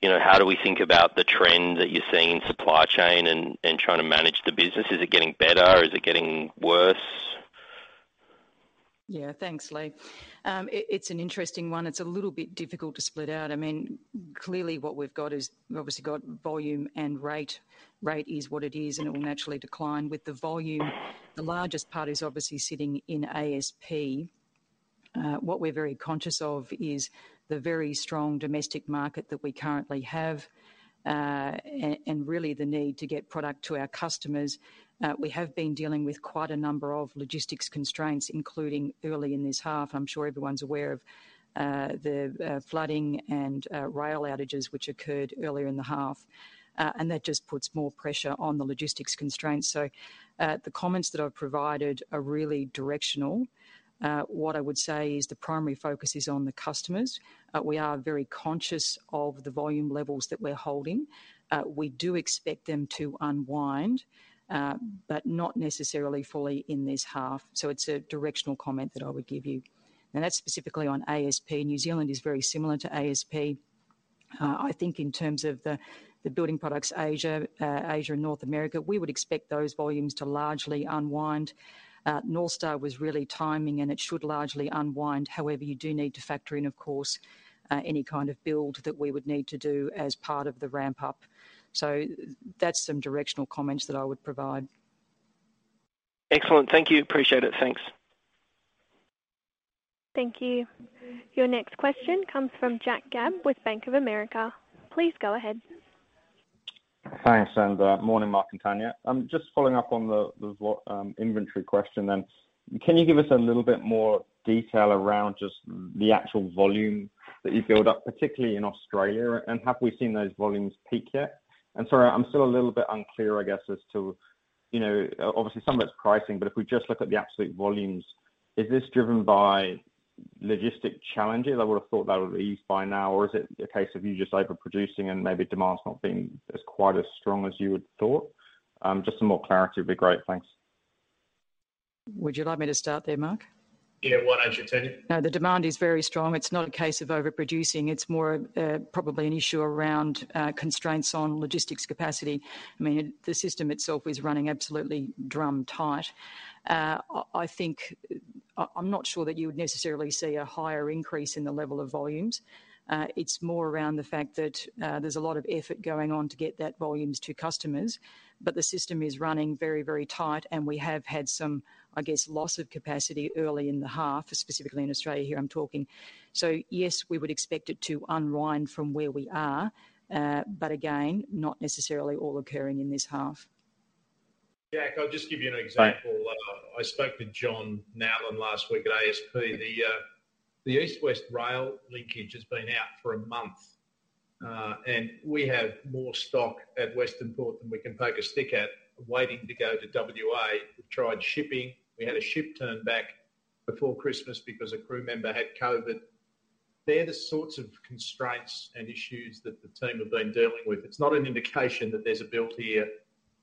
[SPEAKER 4] you know, how do we think about the trends that you're seeing in supply chain and trying to manage the business? Is it getting better? Is it getting worse?
[SPEAKER 2] Thanks, Lee. It's an interesting one. It's a little bit difficult to split out. I mean, clearly what we've got is we've obviously got volume and rate. Rate is what it is, it will naturally decline. With the volume, the largest part is obviously sitting in ASP. What we're very conscious of is the very strong domestic market that we currently have, and really the need to get product to our customers. We have been dealing with quite a number of logistics constraints, including early in this half. I'm sure everyone's aware of the flooding and rail outages which occurred earlier in the half. That just puts more pressure on the logistics constraints. The comments that I've provided are really directional. What I would say is the primary focus is on the customers. We are very conscious of the volume levels that we're holding. We do expect them to unwind, but not necessarily fully in this half. It's a directional comment that I would give you. That's specifically on ASP. New Zealand is very similar to ASP. I think in terms of the Building Products Asia and North America, we would expect those volumes to largely unwind. North Star was really timing, and it should largely unwind. However, you do need to factor in, of course, any kind of build that we would need to do as part of the ramp up. That's some directional comments that I would provide.
[SPEAKER 4] Excellent. Thank you. Appreciate it. Thanks.
[SPEAKER 3] Thank you. Your next question comes from Jack Gabb with Bank of America. Please go ahead.
[SPEAKER 5] Thanks. Morning, Mark and Tania. Just following up on the inventory question then. Can you give us a little bit more detail around just the actual volume that you build up, particularly in Australia? Have we seen those volumes peak yet? Sorry, I'm still a little bit unclear, I guess, as to, you know, obviously some of it's pricing. If we just look at the absolute volumes, is this driven by logistic challenges? I would have thought that would ease by now. Is it a case of you just overproducing and maybe demand's not been as quite as strong as you had thought? Just some more clarity would be great. Thanks.
[SPEAKER 2] Would you like me to start there, Mark?
[SPEAKER 1] Yeah, why don't you, Tania?
[SPEAKER 2] The demand is very strong. It's not a case of overproducing. It's more, probably an issue around constraints on logistics capacity. I mean, the system itself is running absolutely drum tight. I'm not sure that you would necessarily see a higher increase in the level of volumes. It's more around the fact that there's a lot of effort going on to get that volumes to customers. The system is running very, very tight, and we have had some, I guess, loss of capacity early in the half, specifically in Australia here I'm talking. Yes, we would expect it to unwind from where we are, but again, not necessarily all occurring in this half.
[SPEAKER 1] Jack, I'll just give you an example. I spoke to John Nowlan last week at ASP. The East West rail linkage has been out for a month, and we have more stock at Western Port than we can poke a stick at waiting to go to WA. We've tried shipping. We had a ship turn back before Christmas because a crew member had COVID. They're the sorts of constraints and issues that the team have been dealing with. It's not an indication that there's a build here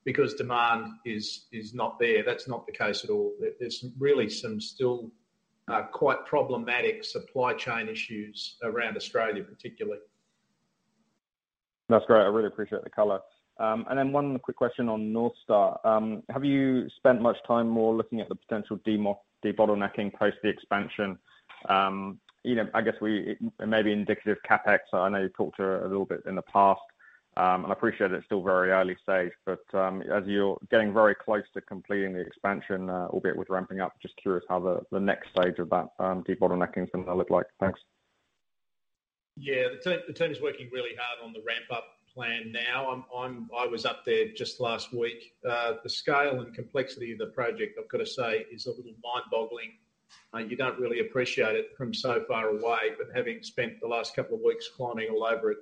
[SPEAKER 1] because demand is not there. That's not the case at all. There's really some still quite problematic supply chain issues around Australia particularly.
[SPEAKER 5] That's great. I really appreciate the color. One quick question on North Star. Have you spent much time more looking at the potential demo-- debottlenecking post the expansion? You know, I guess it may be indicative CapEx. I know you've talked a little bit in the past. I appreciate it's still very early stage but as you're getting very close to completing the expansion, albeit with ramping up, just curious how the next stage of that debottlenecking is gonna look like. Thanks.
[SPEAKER 1] Yeah. The team's working really hard on the ramp-up plan now. I was up there just last week. The scale and complexity of the project, I've gotta say, is a little mind-boggling. You don't really appreciate it from so far away, but having spent the last couple of weeks climbing all over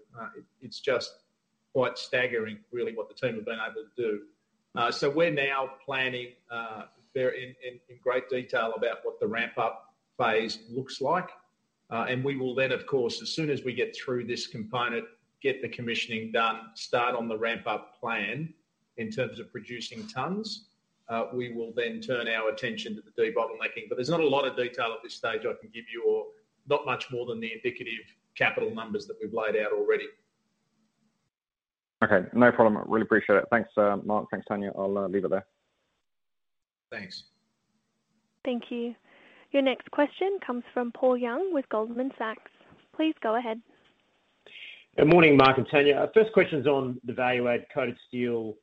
[SPEAKER 1] it's just quite staggering really what the team have been able to do. We're now planning there in great detail about what the ramp-up phase looks like. We will then, of course, as soon as we get through this component, get the commissioning done, start on the ramp-up plan in terms of producing tons. We will then turn our attention to the debottlenecking. There's not a lot of detail at this stage I can give you or not much more than the indicative capital numbers that we've laid out already.
[SPEAKER 5] Okay. No problem. I really appreciate it. Thanks, Mark. Thanks, Tania. I'll leave it there.
[SPEAKER 1] Thanks.
[SPEAKER 3] Thank you. Your next question comes from Paul Young with Goldman Sachs. Please go ahead.
[SPEAKER 6] Good morning, Mark and Tania. Our first question's on the value add coated steel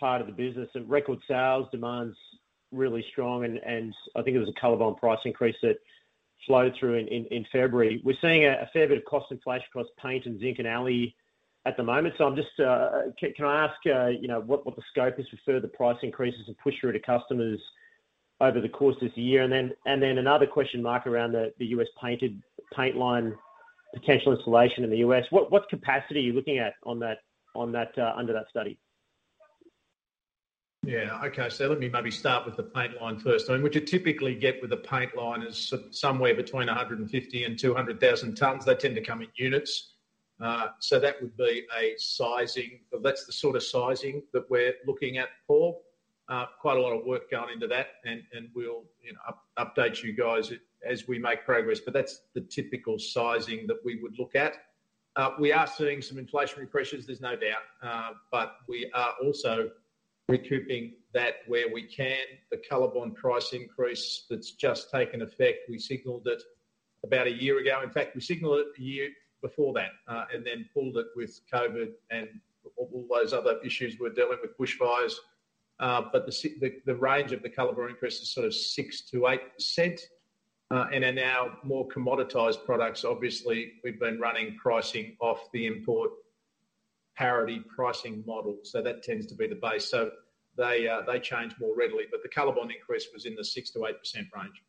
[SPEAKER 6] part of the business. Record sales demand's really strong, and I think it was a COLORBOND price increase that flowed through in February. We're seeing a fair bit of cost inflation across paint and zinc and ali at the moment. I'm just, can I ask, you know, what the scope is for further price increases to push through to customers over the course of this year? Then another question, Mark, around the U.S. painted paint line potential installation in the U.S. What capacity are you looking at on that under that study?
[SPEAKER 1] Okay. Let me maybe start with the paint line first. I mean, what you typically get with a paint line is somewhere between 150,000 and 200,000 tons. They tend to come in units. That's the sort of sizing that we're looking at, Paul. Quite a lot of work going into that and we'll, you know, update you guys as we make progress, but that's the typical sizing that we would look at. We are seeing some inflationary pressures, there's no doubt, we are also recouping that where we can. The COLORBOND price increase that's just taken effect, we signaled it about a year ago. In fact, we signaled it a year before that, pulled it with COVID and all those other issues we're dealing with, bushfires. The range of the COLORBOND increase is sort of 6%-8% and are now more commoditized products. Obviously, we've been running pricing off the import parity pricing model, so that tends to be the base. They change more readily. The COLORBOND increase was in the 6%-8% range.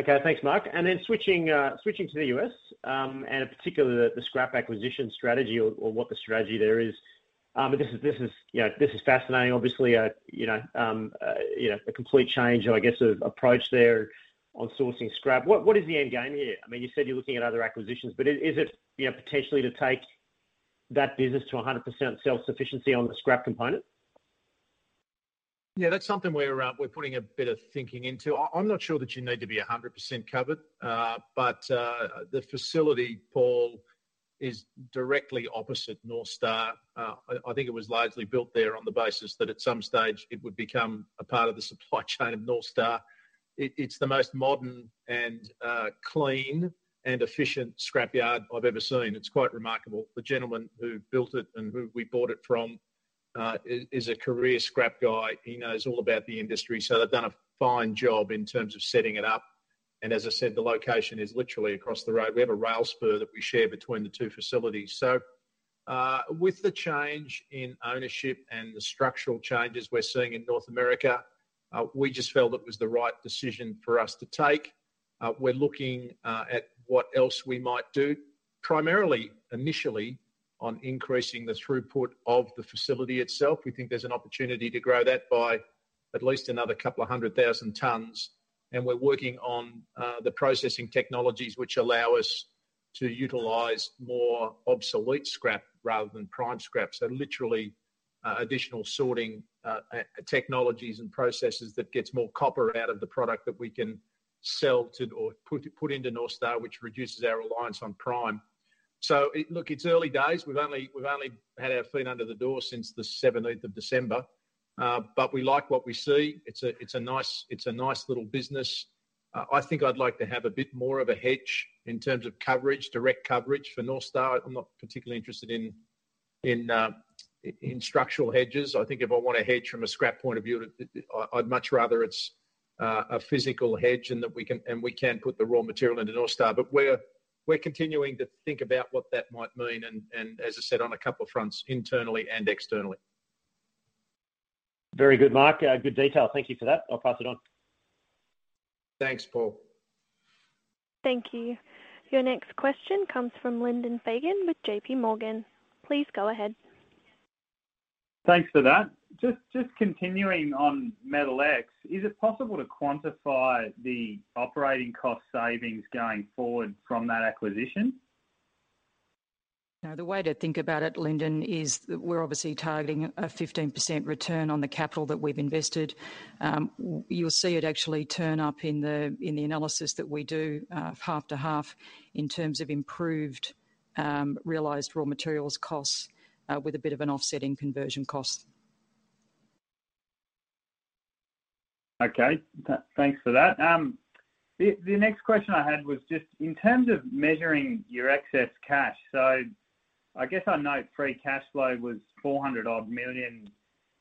[SPEAKER 6] Okay. Thanks, Mark. Then switching to the U.S., and in particular, the scrap acquisition strategy or what the strategy there is. This is, you know, this is fascinating. Obviously, you know, a complete change, I guess, of approach there on sourcing scrap. What is the end game here? I mean, you said you're looking at other acquisitions, but is it, you know, potentially to take that business to 100% self-sufficiency on the scrap component?
[SPEAKER 1] Yeah, that's something we're putting a bit of thinking into. I'm not sure that you need to be 100% covered. The facility, Paul, is directly opposite North Star. I think it was largely built there on the basis that at some stage it would become a part of the supply chain of North Star. It's the most modern and clean and efficient scrapyard I've ever seen. It's quite remarkable. The gentleman who built it and who we bought it from is a career scrap guy. He knows all about the industry, so they've done a fine job in terms of setting it up. As I said, the location is literally across the road. We have a rail spur that we share between the two facilities. With the change in ownership and the structural changes we're seeing in North America, we just felt it was the right decision for us to take. We're looking at what else we might do, primarily, initially, on increasing the throughput of the facility itself. We think there's an opportunity to grow that by at least another 200,000 tons, and we're working on the processing technologies which allow us to utilize more obsolete scrap rather than prime scrap. Literally, additional sorting technologies and processes that gets more copper out of the product that we can sell to or put into North Star, which reduces our reliance on prime. Look, it's early days. We've only had our feet under the door since the 17th of December, but we like what we see. It's a nice little business. I think I'd like to have a bit more of a hedge in terms of coverage, direct coverage for North Star. I'm not particularly interested in, in structural hedges. I think if I want a hedge from a scrap point of view, I'd much rather it's, a physical hedge and that we can put the raw material into North Star. We're, we're continuing to think about what that might mean and as I said, on a couple of fronts, internally and externally.
[SPEAKER 6] Very good, Mark. good detail. Thank you for that. I'll pass it on.
[SPEAKER 1] Thanks, Paul.
[SPEAKER 3] Thank you. Your next question comes from Lyndon Fagan with J.P. Morgan. Please go ahead.
[SPEAKER 7] Thanks for that. Just continuing on MetalX, is it possible to quantify the operating cost savings going forward from that acquisition?
[SPEAKER 2] The way to think about it, Lyndon, is that we're obviously targeting a 15% return on the capital that we've invested. You'll see it actually turn up in the, in the analysis that we do, half to half in terms of improved, realized raw materials costs, with a bit of an offset in conversion costs.
[SPEAKER 7] Okay. Thanks for that. The next question I had was just in terms of measuring your excess cash. I guess I note free cash flow was 400 million,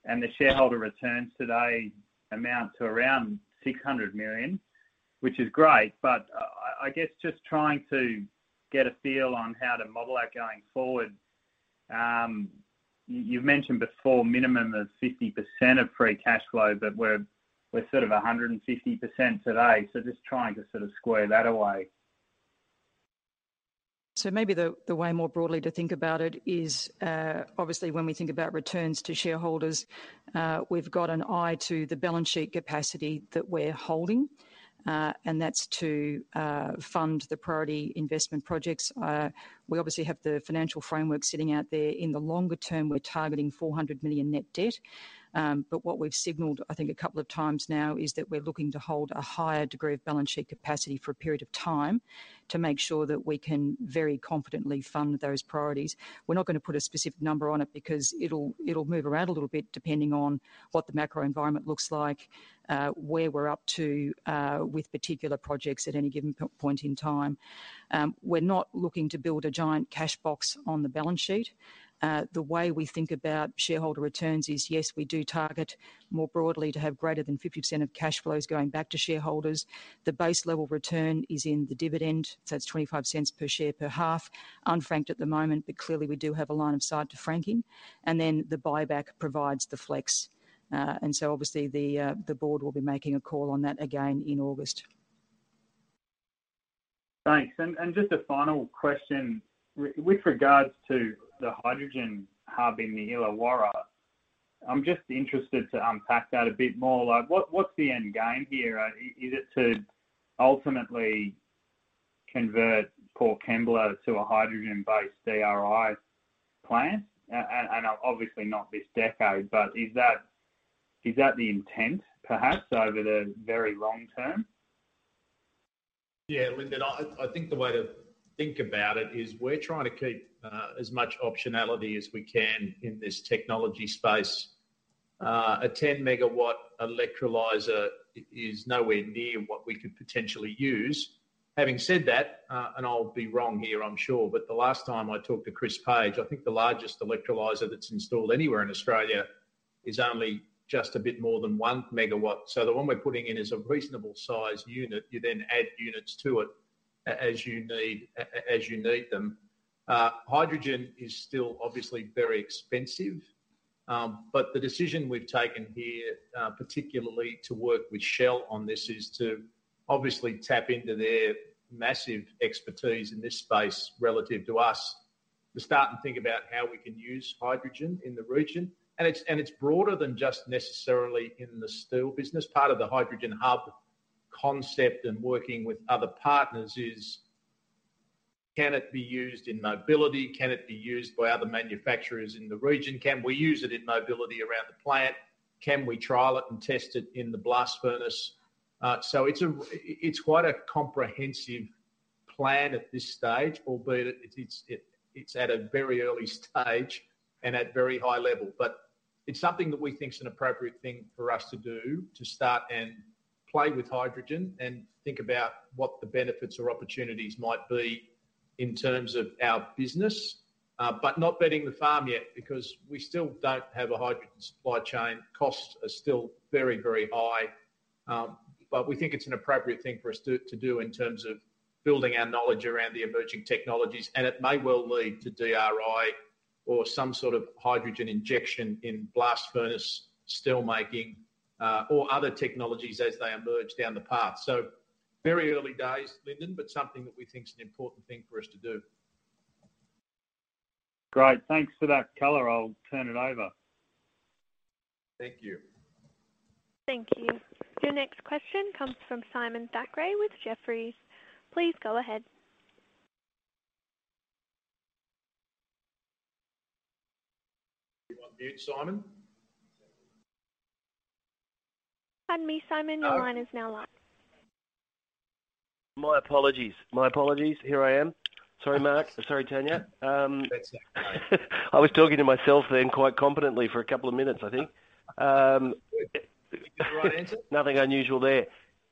[SPEAKER 7] and the shareholder returns today amount to around 600 million, which is great, but I guess just trying to get a feel on how to model that going forward. You've mentioned before minimum of 50% of free cash flow, but we're sort of 150% today, so just trying to sort of square that away.
[SPEAKER 2] Maybe the way more broadly to think about it is, obviously when we think about returns to shareholders, we've got an eye to the balance sheet capacity that we're holding. That's to fund the priority investment projects. We obviously have the financial framework sitting out there. In the longer term, we're targeting 400 million net debt. What we've signaled, I think, a couple of times now, is that we're looking to hold a higher degree of balance sheet capacity for a period of time to make sure that we can very confidently fund those priorities. We're not gonna put a specific number on it because it'll move around a little bit depending on what the macro environment looks like, where we're up to, with particular projects at any given point in time. We're not looking to build a giant cash box on the balance sheet. The way we think about shareholder returns is, yes, we do target more broadly to have greater than 50% of cash flows going back to shareholders. The base level return is in the dividend, so that's 0.25 per share per half, unfranked at the moment, but clearly we do have a line of sight to franking. The buyback provides the flex. Obviously the board will be making a call on that again in August.
[SPEAKER 7] Thanks. Just a final question. With regards to the hydrogen hub in the Illawarra, I'm just interested to unpack that a bit more. Like, what's the end game here? Is it to ultimately convert Port Kembla to a hydrogen-based DRI plant? Obviously not this decade, but is that the intent perhaps over the very long term?
[SPEAKER 1] Yeah, Lyndon, I think the way to think about it is we're trying to keep as much optionality as we can in this technology space. A 10 MW electrolyzer is nowhere near what we could potentially use. Having said that, and I'll be wrong here, I'm sure, but the last time I talked to Chris Page, I think the largest electrolyzer that's installed anywhere in Australia is only just a bit more than 1 MW. The one we're putting in is a reasonable size unit. You then add units to it as you need, as you need them. Hydrogen is still obviously very expensive, but the decision we've taken here, particularly to work with Shell on this, is to obviously tap into their massive expertise in this space relative to us to start and think about how we can use hydrogen in the region. It's broader than just necessarily in the steel business. Part of the hydrogen hub concept and working with other partners is, can it be used in mobility? Can it be used by other manufacturers in the region? Can we use it in mobility around the plant? Can we trial it and test it in the blast furnace? It's quite a comprehensive plan at this stage, albeit it's at a very early stage and at very high level. It's something that we think is an appropriate thing for us to do, to start and play with hydrogen and think about what the benefits or opportunities might be in terms of our business. Not betting the farm yet because we still don't have a hydrogen supply chain. Costs are still very, very high. We think it's an appropriate thing for us to do in terms of building our knowledge around the emerging technologies, and it may well lead to DRI or some sort of hydrogen injection in blast furnace steelmaking, or other technologies as they emerge down the path. Very early days, Lyndon, something that we think is an important thing for us to do.
[SPEAKER 7] Great. Thanks for that color. I'll turn it over.
[SPEAKER 1] Thank you.
[SPEAKER 3] Thank you. Your next question comes from Simon Thackray with Jefferies. Please go ahead.
[SPEAKER 1] You on mute, Simon?
[SPEAKER 3] Pardon me, Simon. Your line is now live.
[SPEAKER 8] My apologies. Here I am. Sorry, Mark. Sorry, Tania. I was talking to myself then quite confidently for a couple of minutes, I think.
[SPEAKER 1] You get the right answer?
[SPEAKER 8] Nothing unusual there.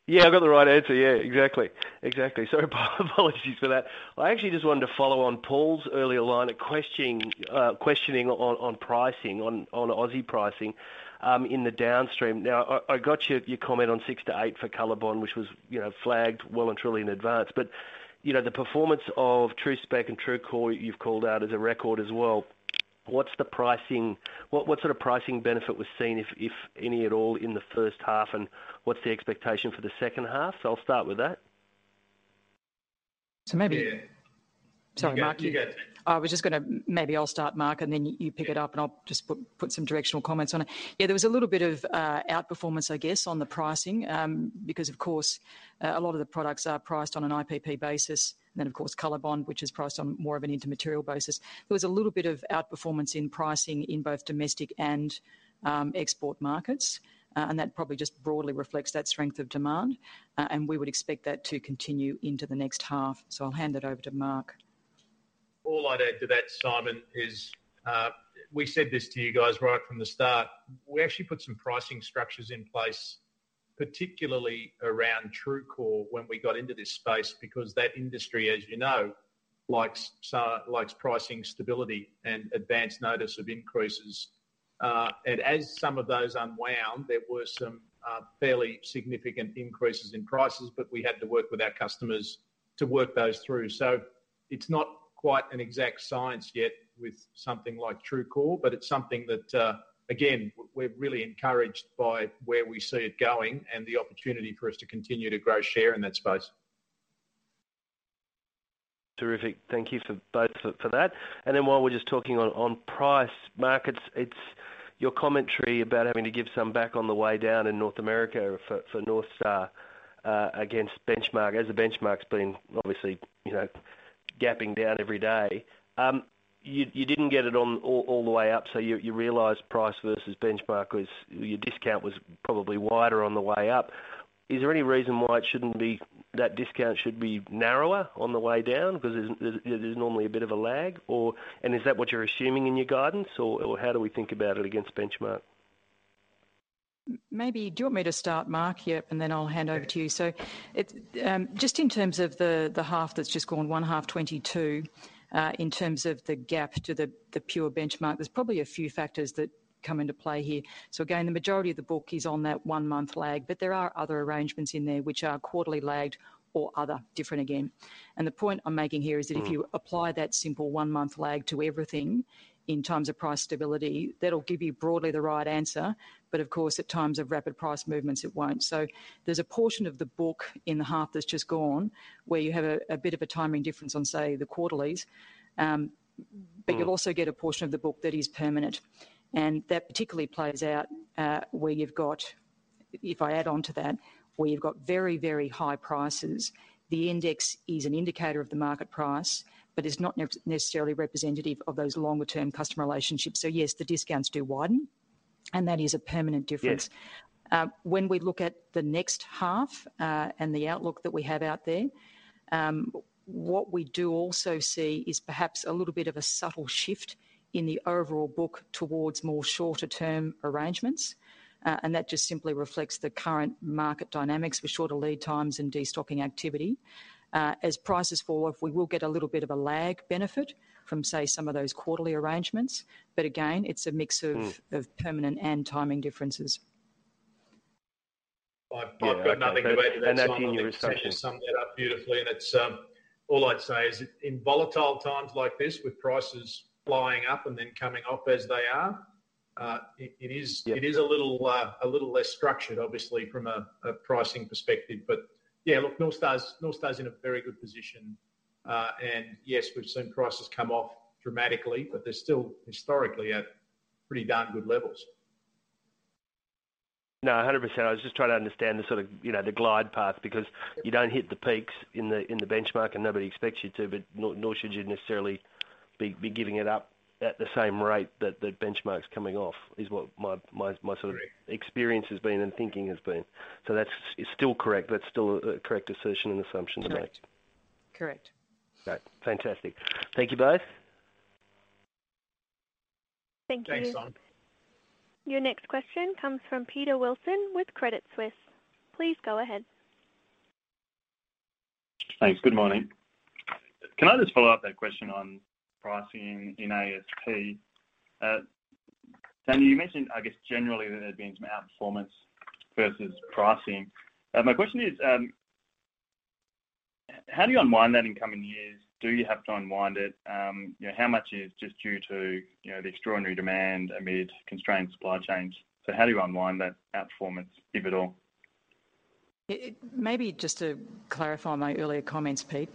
[SPEAKER 8] Yeah, I got the right answer. Yeah, exactly. Exactly. Apologies for that. I actually just wanted to follow on Paul's earlier line of questioning on pricing on Aussie pricing in the downstream. I got your comment on 6%-8% for COLORBOND, which was, you know, flagged well and truly in advance. You know, the performance of TRU-SPEC and TRUECORE you've called out as a record as well. What sort of pricing benefit was seen, if any at all, in the first half? What's the expectation for the second half? I'll start with that.
[SPEAKER 1] Yeah.
[SPEAKER 2] Sorry, Mark...
[SPEAKER 1] You go, you go, Tania.
[SPEAKER 2] Maybe I'll start, Mark, and then you pick it up, and I'll just put some directional comments on it. There was a little bit of outperformance, I guess, on the pricing, because of course, a lot of the products are priced on an IPP basis. Of course, COLORBOND, which is priced on more of an intermaterial basis. There was a little bit of outperformance in pricing in both domestic and export markets. That probably just broadly reflects that strength of demand. We would expect that to continue into the next half. I'll hand it over to Mark.
[SPEAKER 1] All I'd add to that, Simon, is, we said this to you guys right from the start. We actually put some pricing structures in place, particularly around TRUECORE when we got into this space, because that industry, as you know, likes pricing stability and advance notice of increases. As some of those unwound, there were some, fairly significant increases in prices, but we had to work with our customers to work those through. It's not quite an exact science yet with something like TRUECORE, but it's something that, again, we're really encouraged by where we see it going and the opportunity for us to continue to grow share in that space.
[SPEAKER 8] Terrific. Thank you for both for that. While we're just talking on price markets, it's your commentary about having to give some back on the way down in North America for North Star against benchmark. As the benchmark's been obviously, you know, gapping down every day. You didn't get it on all the way up, so you realized price versus benchmark was-- Your discount was probably wider on the way up. Is there any reason why it shouldn't be, that discount should be narrower on the way down because there's normally a bit of a lag or? Is that what you're assuming in your guidance or how do we think about it against benchmark?
[SPEAKER 2] Maybe, do you want me to start, Mark, yep, and then I'll hand over to you. It, just in terms of the half that's just gone, one half 2022, in terms of the gap to the pure benchmark, there's probably a few factors that come into play here. Again, the majority of the book is on that one-month lag, but there are other arrangements in there which are quarterly lagged or other, different again. And a point I'm making here is is that if you apply that simple one-month lag to everything in terms of price stability, that'll give you broadly the right answer. Of course, at times of rapid price movements, it won't. There's a portion of the book in the half that's just gone, where you have a bit of a timing difference on, say, the quarterlies. You'll also get a portion of the book that is permanent. That particularly plays out, where you've got, if I add on to that, where you've got very high prices. The index is an indicator of the market price, but is not necessarily representative of those longer-term customer relationships. Yes, the discounts do widen, and that is a permanent difference. When we look at the next half, and the outlook that we have out there, what we do also see is perhaps a little bit of a subtle shift in the overall book towards more shorter-term arrangements. That just simply reflects the current market dynamics with shorter lead times and destocking activity. As prices fall off, we will get a little bit of a lag benefit from, say, some of those quarterly arrangements. Again, it's a mix of permanent and timing differences.
[SPEAKER 1] I've got nothing to add to that, Simon.
[SPEAKER 8] That's in your assumptions.
[SPEAKER 1] I think Tania summed that up beautifully. It's all I'd say is in volatile times like this with prices flying up and then coming off as they are-- it is a little, a little less structured obviously from a pricing perspective. Yeah, look, North Star's in a very good position. Yes, we've seen prices come off dramatically, but they're still historically at pretty darn good levels.
[SPEAKER 8] No, 100%. I was just trying to understand the sort of, you know, the glide path. You don't hit the peaks in the benchmark and nobody expects you to, but nor should you necessarily be giving it up at the same rate that the benchmark's coming off is what my sort of experience has been and thinking has been. That's still correct. That's still a correct assertion and assumption to make.
[SPEAKER 2] Correct. Correct.
[SPEAKER 8] Great. Fantastic. Thank you both.
[SPEAKER 2] Thank you.
[SPEAKER 1] Thanks, Simon.
[SPEAKER 3] Your next question comes from Peter Wilson with Credit Suisse. Please go ahead.
[SPEAKER 9] Thanks. Good morning. Can I just follow up that question on pricing in ASP? Tania, you mentioned, I guess generally that there's been some outperformance versus pricing. My question is, how do you unwind that in coming years? Do you have to unwind it? You know, how much is just due to, you know, the extraordinary demand amid constrained supply chains? How do you unwind that outperformance, if at all?
[SPEAKER 2] Maybe just to clarify my earlier comments, Pete.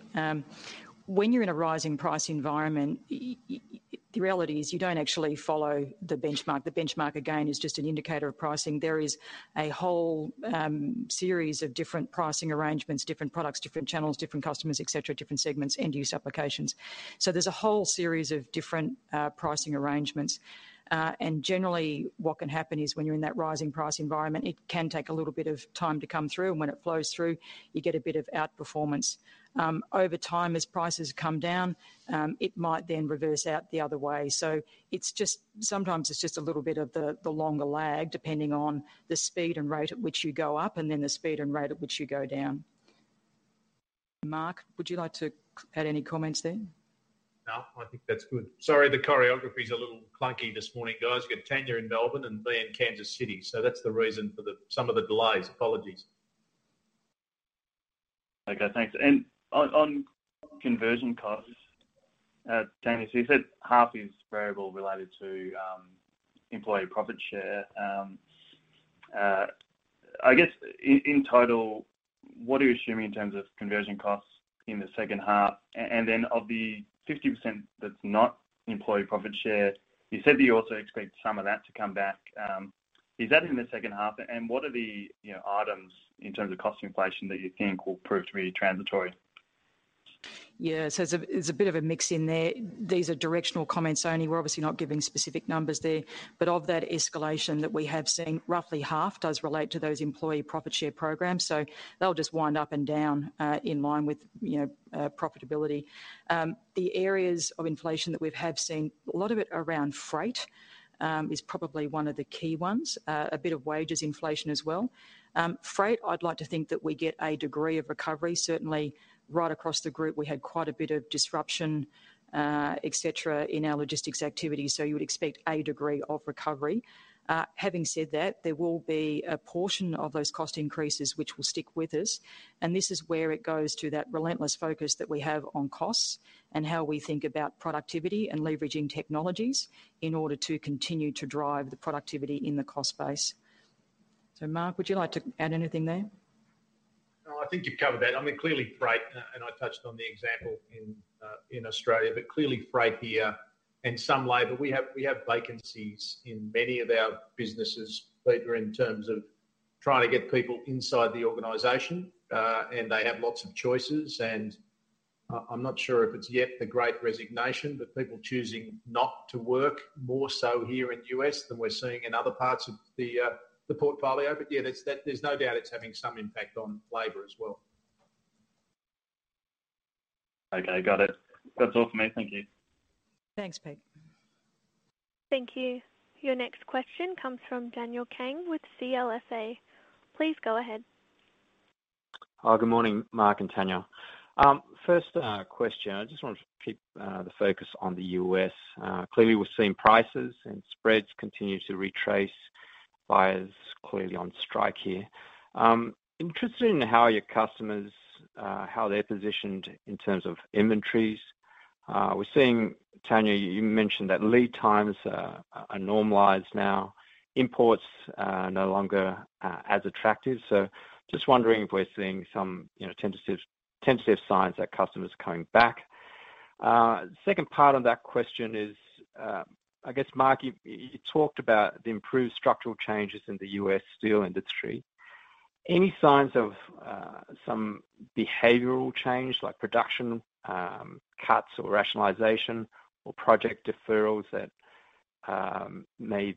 [SPEAKER 2] When you're in a rising price environment, the reality is you don't actually follow the benchmark. The benchmark, again, is just an indicator of pricing. There is a whole series of different pricing arrangements, different products, different channels, different customers, et cetera, different segments, end use applications. There's a whole series of different pricing arrangements. Generally what can happen is when you're in that rising price environment, it can take a little bit of time to come through, and when it flows through, you get a bit of outperformance. Over time, as prices come down, it might then reverse out the other way. It's just-- Sometimes it's just a little bit of the longer lag, depending on the speed and rate at which you go up and then the speed and rate at which you go down. Mark, would you like to add any comments there?
[SPEAKER 1] No, I think that's good. Sorry, the choreography's a little clunky this morning, guys. You got Tania in Melbourne and me in Kansas City, so that's the reason for the some of the delays. Apologies.
[SPEAKER 9] Okay, thanks. On, on conversion costs, Tania, so you said half is variable related to employee profit share. I guess in total, what are you assuming in terms of conversion costs in the second half? Then of the 50% that's not employee profit share, you said that you also expect some of that to come back. Is that in the second half? What are the, you know, items in terms of cost inflation that you think will prove to be transitory?
[SPEAKER 2] It's a bit of a mix in there. These are directional comments only. We're obviously not giving specific numbers there. Of that escalation that we have seen, roughly half does relate to those employee profit share programs, so they'll just wind up and down in line with, you know, profitability. The areas of inflation that we have seen, a lot of it around freight, is probably one of the key ones, a bit of wages inflation as well. Freight, I'd like to think that we get a degree of recovery. Certainly right across the group, we had quite a bit of disruption, et cetera, in our logistics activity, you would expect a degree of recovery. Having said that, there will be a portion of those cost increases which will stick with us. This is where it goes to that relentless focus that we have on costs and how we think about productivity and leveraging technologies in order to continue to drive the productivity in the cost base. Mark, would you like to add anything there?
[SPEAKER 1] I think you've covered that. I mean, clearly freight, and I touched on the example in Australia, but clearly freight here and some labor. We have vacancies in many of our businesses, Peter, in terms of trying to get people inside the organization, and they have lots of choices. I'm not sure if it's yet the great resignation, but people choosing not to work more so here in U.S. than we're seeing in other parts of the portfolio. Yeah, there's no doubt it's having some impact on labor as well.
[SPEAKER 9] Okay, got it. That's all for me. Thank you.
[SPEAKER 2] Thanks, Pete.
[SPEAKER 3] Thank you. Your next question comes from Daniel Kang with CLSA. Please go ahead.
[SPEAKER 10] Hi. Good morning, Mark and Tania. First question, I just wanted to keep the focus on the U.S. Clearly we're seeing prices and spreads continue to retrace. Buyers clearly on strike here. Interested in how your customers, how they're positioned in terms of inventories. We're seeing, Tania, you mentioned that lead times are normalized now. Imports no longer as attractive. Just wondering if we're seeing some, you know, tentative signs that customers are coming back. Second part on that question is, I guess, Mark, you talked about the improved structural changes in the U.S. steel industry. Any signs of some behavioral change, like production cuts or rationalization or project deferrals that may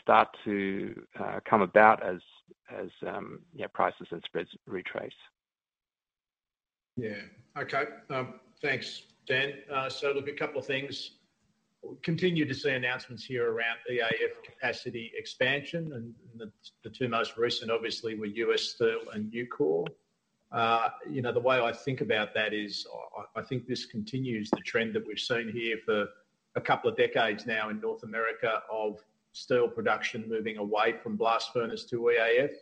[SPEAKER 10] start to come about as, you know, prices and spreads retrace?
[SPEAKER 1] Okay. Thanks, Dan. Look, a couple of things. Continue to see announcements here around EAF capacity expansion, and the two most recent obviously were U.S. Steel and Nucor. You know, the way I think about that is I think this continues the trend that we've seen here for a couple of decades now in North America of steel production moving away from blast furnace to EAF.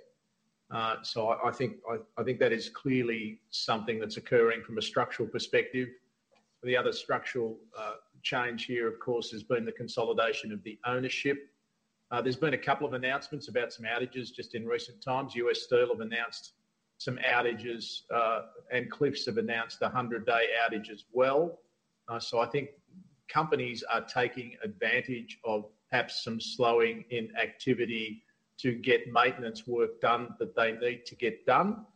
[SPEAKER 1] I think that is clearly something that's occurring from a structural perspective. The other structural change here, of course, has been the consolidation of the ownership. There's been a couple of announcements about some outages just in recent times. U.S. Steel have announced some outages, and Cleveland-Cliffs have announced a 100-day outage as well. I think companies are taking advantage of perhaps some slowing in activity to get maintenance work done that they need to get done.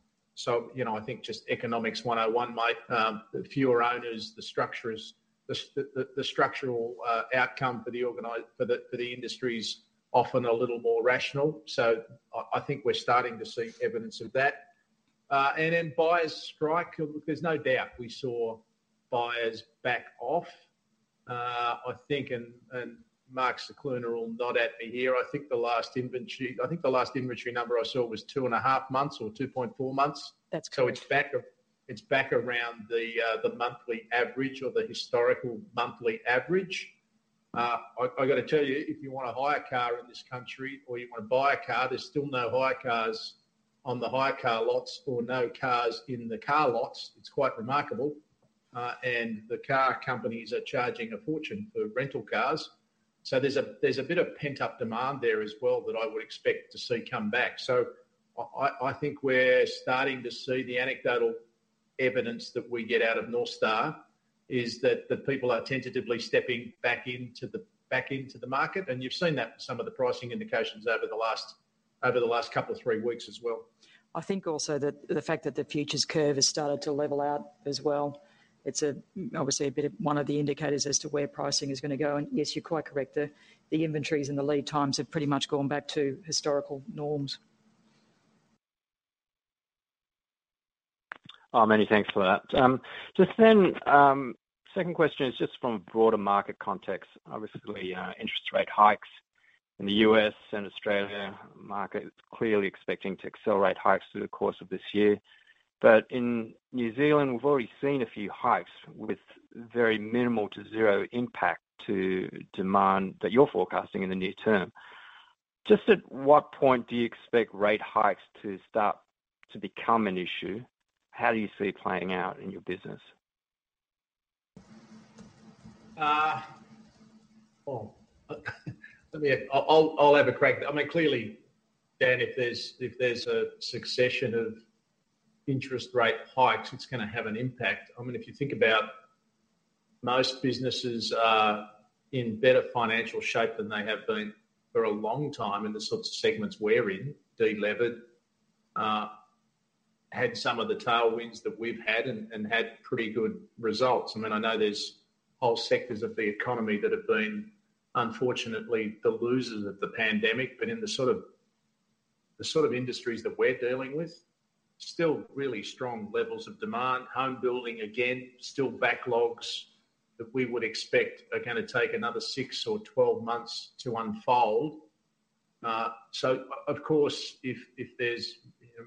[SPEAKER 1] You know, I think just Economics 101 might, the fewer owners, the structural outcome for the industry is often a little more rational. I think we're starting to see evidence of that. Buyers strike. Look, there's no doubt we saw buyers back off. I think, and Mark Scicluna will nod at me here. I think the last inventory number I saw was 2.5 months or 2.4 months.
[SPEAKER 2] That's correct.
[SPEAKER 1] It's back, it's back around the monthly average or the historical monthly average. I gotta tell you, if you wanna hire a car in this country or you wanna buy a car, there's still no hire cars on the hire car lots or no cars in the car lots. It's quite remarkable. The car companies are charging a fortune for rental cars. There's a bit of pent-up demand there as well that I would expect to see come back. I think we're starting to see the anecdotal evidence that we get out of North Star, is that the people are tentatively stepping back into the market, and you've seen that with some of the pricing indications over the last, over the last couple of three weeks as well.
[SPEAKER 2] I think also that the fact that the futures curve has started to level out as well, it's obviously a bit of one of the indicators as to where pricing is gonna go. Yes, you're quite correct. The inventories and the lead times have pretty much gone back to historical norms.
[SPEAKER 10] Many thanks for that. Just then, second question is just from a broader market context. Obviously, interest rate hikes in the U.S. and Australia market is clearly expecting to accelerate hikes through the course of this year. In New Zealand, we've already seen a few hikes with very minimal to zero impact to demand that you're forecasting in the near term. Just at what point do you expect rate hikes to start to become an issue? How do you see it playing out in your business?
[SPEAKER 1] Let me. I'll have a crack at that. I mean, clearly, Dan, if there's a succession of interest rate hikes, it's gonna have an impact. I mean, if you think about. Most businesses are in better financial shape than they have been for a long time in the sorts of segments we're in. De-levered, had some of the tailwinds that we've had and had pretty good results. I mean, I know there's whole sectors of the economy that have been unfortunately the losers of the pandemic, but in the sort of industries that we're dealing with, still really strong levels of demand. Home building, again, still backlogs that we would expect are gonna take another 6 or 12 months to unfold. Of course if there's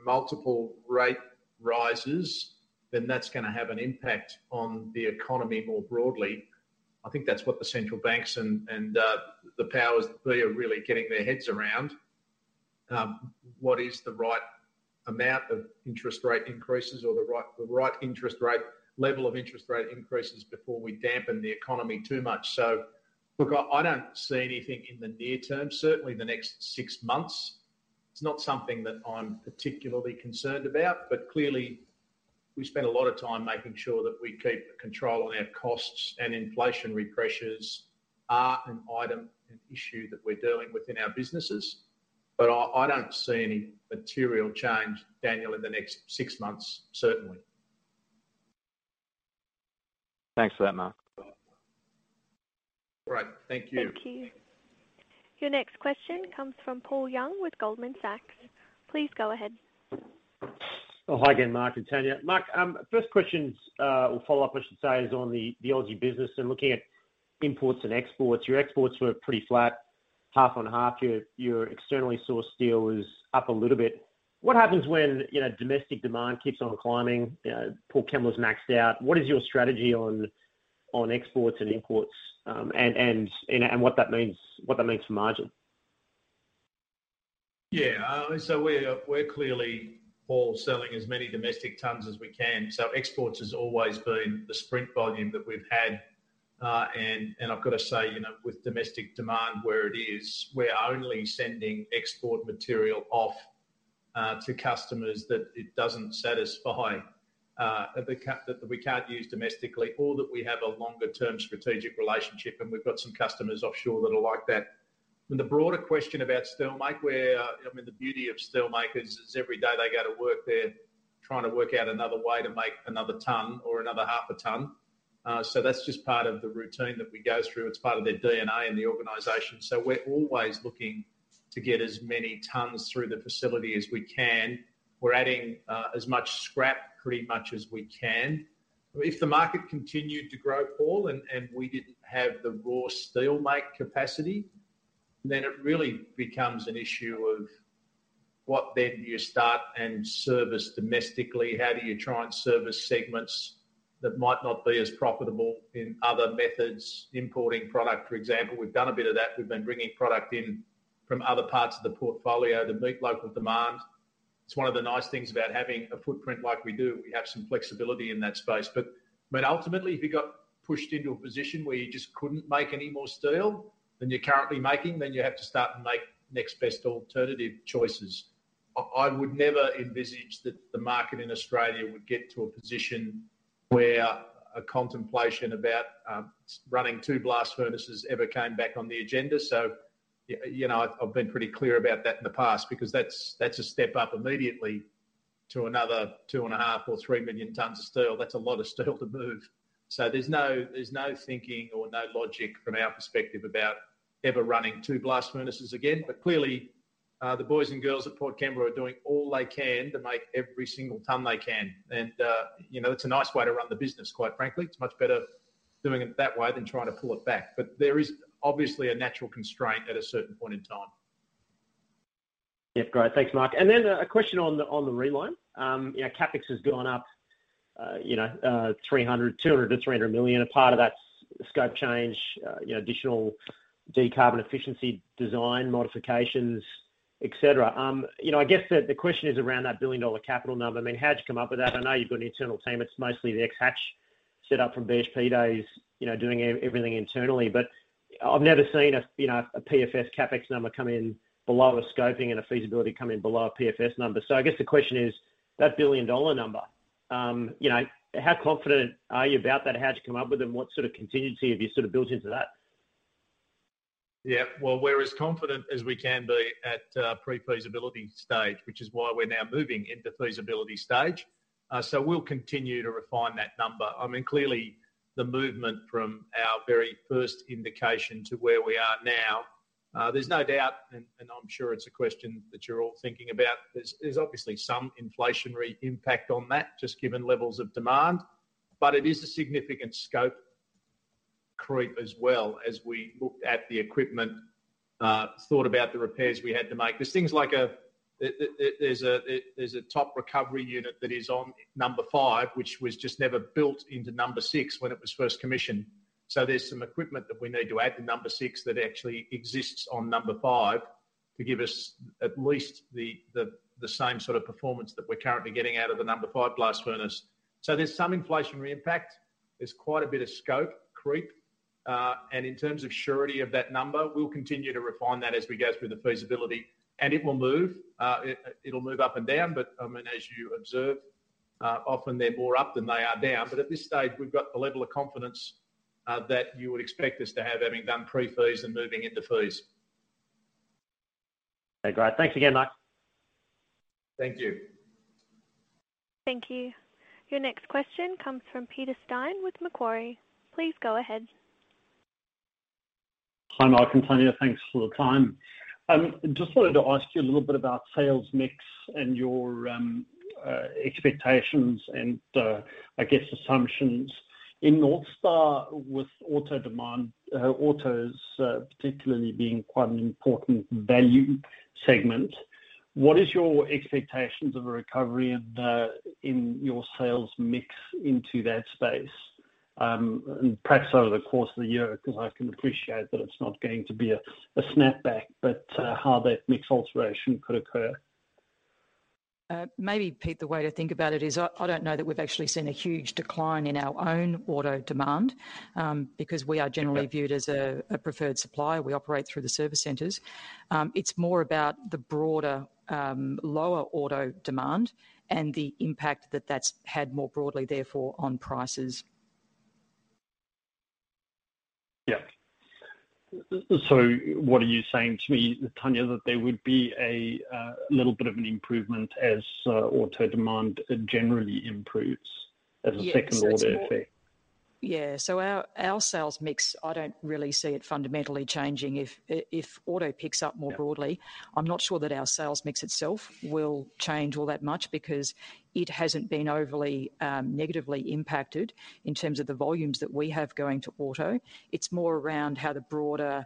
[SPEAKER 1] multiple rate rises, then that's gonna have an impact on the economy more broadly. I think that's what the central banks and the powers that be are really getting their heads around. What is the right amount of interest rate increases or level of interest rate increases before we dampen the economy too much? Look, I don't see anything in the near term, certainly the next six months. It's not something that I'm particularly concerned about. Clearly we spend a lot of time making sure that we keep control on our costs, and inflationary pressures are an item, an issue that we're dealing with in our businesses. I don't see any material change, Daniel, in the next six months, certainly.
[SPEAKER 10] Thanks for that, Mark.
[SPEAKER 1] All right. Thank you.
[SPEAKER 3] Thank you. Your next question comes from Paul Young with Goldman Sachs. Please go ahead.
[SPEAKER 6] Hi again, Mark and Tania. Mark, first question's or follow-up I should say, is on the Aussie business and looking at imports and exports. Your exports were pretty flat, half on half. Your externally sourced steel was up a little bit. What happens when, you know, domestic demand keeps on climbing? You know, Port Kembla's maxed out. What is your strategy on exports and imports, and what that means for margin?
[SPEAKER 1] We're clearly, Paul, selling as many domestic tons as we can. Exports has always been the sprint volume that we've had. I've got to say, you know, with domestic demand where it is, we're only sending export material off to customers that it doesn't satisfy, that we can't use domestically or that we have a longer term strategic relationship, and we've got some customers offshore that are like that. The broader question about steel make, where, I mean, the beauty of steel makers is every day they go to work, they're trying to work out another way to make another ton or another half a ton. That's just part of the routine that we go through. It's part of their DNA in the organization. We're always looking to get as many tons through the facility as we can. We're adding as much scrap pretty much as we can. If the market continued to grow, Paul, and we didn't have the raw steel make capacity, then it really becomes an issue of what then do you start and service domestically? How do you try and service segments that might not be as profitable in other methods? Importing product, for example. We've done a bit of that. We've been bringing product in from other parts of the portfolio to meet local demand. It's one of the nice things about having a footprint like we do. We have some flexibility in that space. Ultimately, if you got pushed into a position where you just couldn't make any more steel than you're currently making, then you have to start and make next best alternative choices. I would never envisage that the market in Australia would get to a position where a contemplation about running two blast furnaces ever came back on the agenda. You know, I've been pretty clear about that in the past because that's a step up immediately to another 2.5 million or 3 million tons of steel. That's a lot of steel to move. There's no thinking or no logic from our perspective about ever running two blast furnaces again. Clearly, the boys and girls at Port Kembla are doing all they can to make every single ton they can. You know, it's a nice way to run the business, quite frankly. It's much better doing it that way than trying to pull it back. There is obviously a natural constraint at a certain point in time.
[SPEAKER 6] Great. Thanks, Mark. A question on the reline. you know, CapEx has gone up, you know, 200 million to 300 million. A part of that's scope change, you know, additional decarbon efficiency design modifications, etc. you know, I guess the question is around that billion-dollar capital number. I mean, how'd you come up with that? I know you've got an internal team. It's mostly the ex Hatch set up from BHP days, you know, doing everything internally. I've never seen a, you know, a PFS CapEx number come in below a scoping and a feasibility come in below a PFS number. I guess the question is that billion-dollar number, you know, how confident are you about that? How'd you come up with them? What sort of contingency have you sort of built into that?
[SPEAKER 1] Well, we're as confident as we can be at pre-feasibility stage, which is why we're now moving into feasibility stage. We'll continue to refine that number. I mean, clearly the movement from our very first indication to where we are now, there's no doubt, and I'm sure it's a question that you're all thinking about, there's obviously some inflationary impact on that, just given levels of demand. It is a significant scope creep as well as we looked at the equipment, thought about the repairs we had to make. There's things like a Top Recovery Unit that is on No. 5, which was just never built into No. 6 when it was first commissioned. There's some equipment that we need to add to No. 6 that actually exists on No. 5 to give us at least the same sort of performance that we're currently getting out of the No. 5 Blast Furnace. There's some inflationary impact. There's quite a bit of scope creep, and in terms of surety of that number, we'll continue to refine that as we go through the feasibility. It'll move up and down but, and as you observed, often they're more up than they are down. At this stage we've got the level of confidence that you would expect us to have, having done pre-fees and moving into fees.
[SPEAKER 6] Okay, great. Thanks again, Mark.
[SPEAKER 1] Thank you.
[SPEAKER 3] Thank you. Your next question comes from Peter Steyn with Macquarie. Please go ahead.
[SPEAKER 11] Hi, Mark and Tania. Thanks for the time. Just wanted to ask you a little bit about sales mix and your expectations and I guess assumptions. In North Star with auto demand, autos particularly being quite an important value segment, what is your expectations of a recovery in your sales mix into that space? Perhaps over the course of the year 'cause I can appreciate that it's not going to be a snapback, but how that mix alteration could occur.
[SPEAKER 2] maybe, Pete, the way to think about it is I don't know that we've actually seen a huge decline in our own auto demand, because we are generally viewed as a preferred supplier. We operate through the service centers. It's more about the broader, lower auto demand and the impact that that's had more broadly therefore on prices.
[SPEAKER 11] Yeah. What are you saying to me, Tania, that there would be a little bit of an improvement as auto demand generally improves as a second order effect?
[SPEAKER 2] Yeah. Our sales mix, I don't really see it fundamentally changing if auto picks up more broadly. I'm not sure that our sales mix itself will change all that much because it hasn't been overly negatively impacted in terms of the volumes that we have going to auto. It's more around how the broader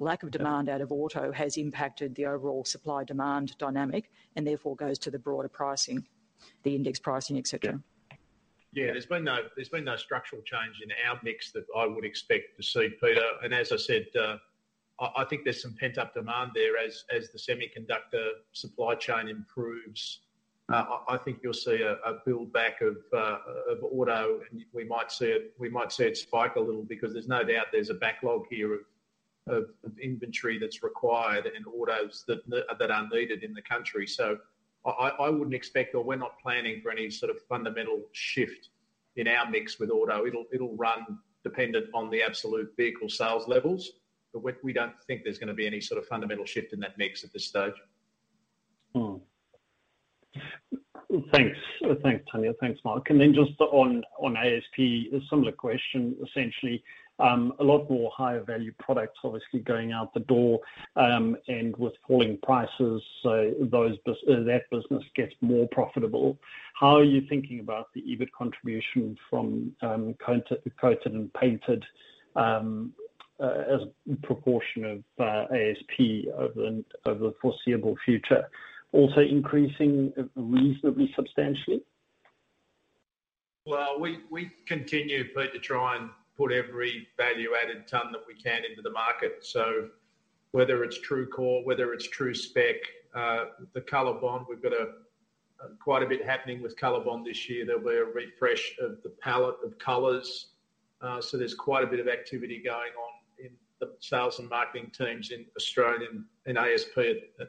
[SPEAKER 2] lack of demand. Out of auto has impacted the overall supply-demand dynamic and therefore goes to the broader pricing, the index pricing, et cetera.
[SPEAKER 1] Yeah. There's been no structural change in our mix that I would expect to see, Peter. As I said, I think there's some pent-up demand there as the semiconductor supply chain improves. I think you'll see a buildback of auto and we might see it spike a little because there's no doubt there's a backlog here of inventory that's required and autos that are needed in the country. I wouldn't expect or we're not planning for any sort of fundamental shift in our mix with auto. It'll run dependent on the absolute vehicle sales levels. We don't think there's gonna be any sort of fundamental shift in that mix at this stage.
[SPEAKER 11] Thanks. Thanks, Tania. Thanks, Mark. Then just on ASP, a similar question essentially. A lot more higher value products obviously going out the door, and with falling prices. That business gets more profitable. How are you thinking about the EBIT contribution from coated and painted as proportion of ASP over the foreseeable future also increasing reasonably substantially?
[SPEAKER 1] Well, we continue, Pete, to try and put every value-added ton that we can into the market. Whether it's TRUECORE, whether it's TRU-SPEC, the COLORBOND, we've got quite a bit happening with COLORBOND this year. There'll be a refresh of the palette of colors. There's quite a bit of activity going on in the sales and marketing teams in Australia and ASP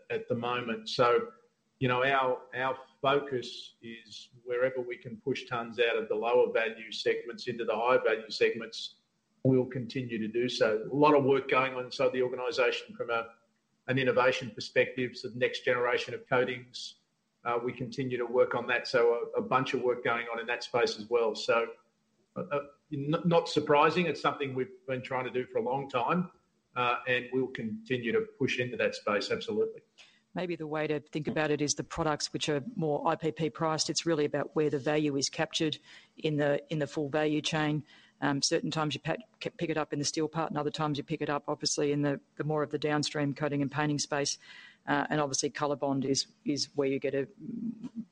[SPEAKER 1] at the moment. You know, our focus is wherever we can push tons out of the lower value segments into the higher value segments, we'll continue to do so. A lot of work going on inside the organization from an innovation perspective, so the next generation of coatings. We continue to work on that, so a bunch of work going on in that space as well. Not surprising. It's something we've been trying to do for a long time, and we'll continue to push into that space. Absolutely.
[SPEAKER 2] Maybe the way to think about it is the products which are more IPP priced, it's really about where the value is captured in the, in the full value chain. Certain times you pick it up in the steel part and other times you pick it up obviously in the more of the downstream coating and painting space. Obviously COLORBOND is where you get a,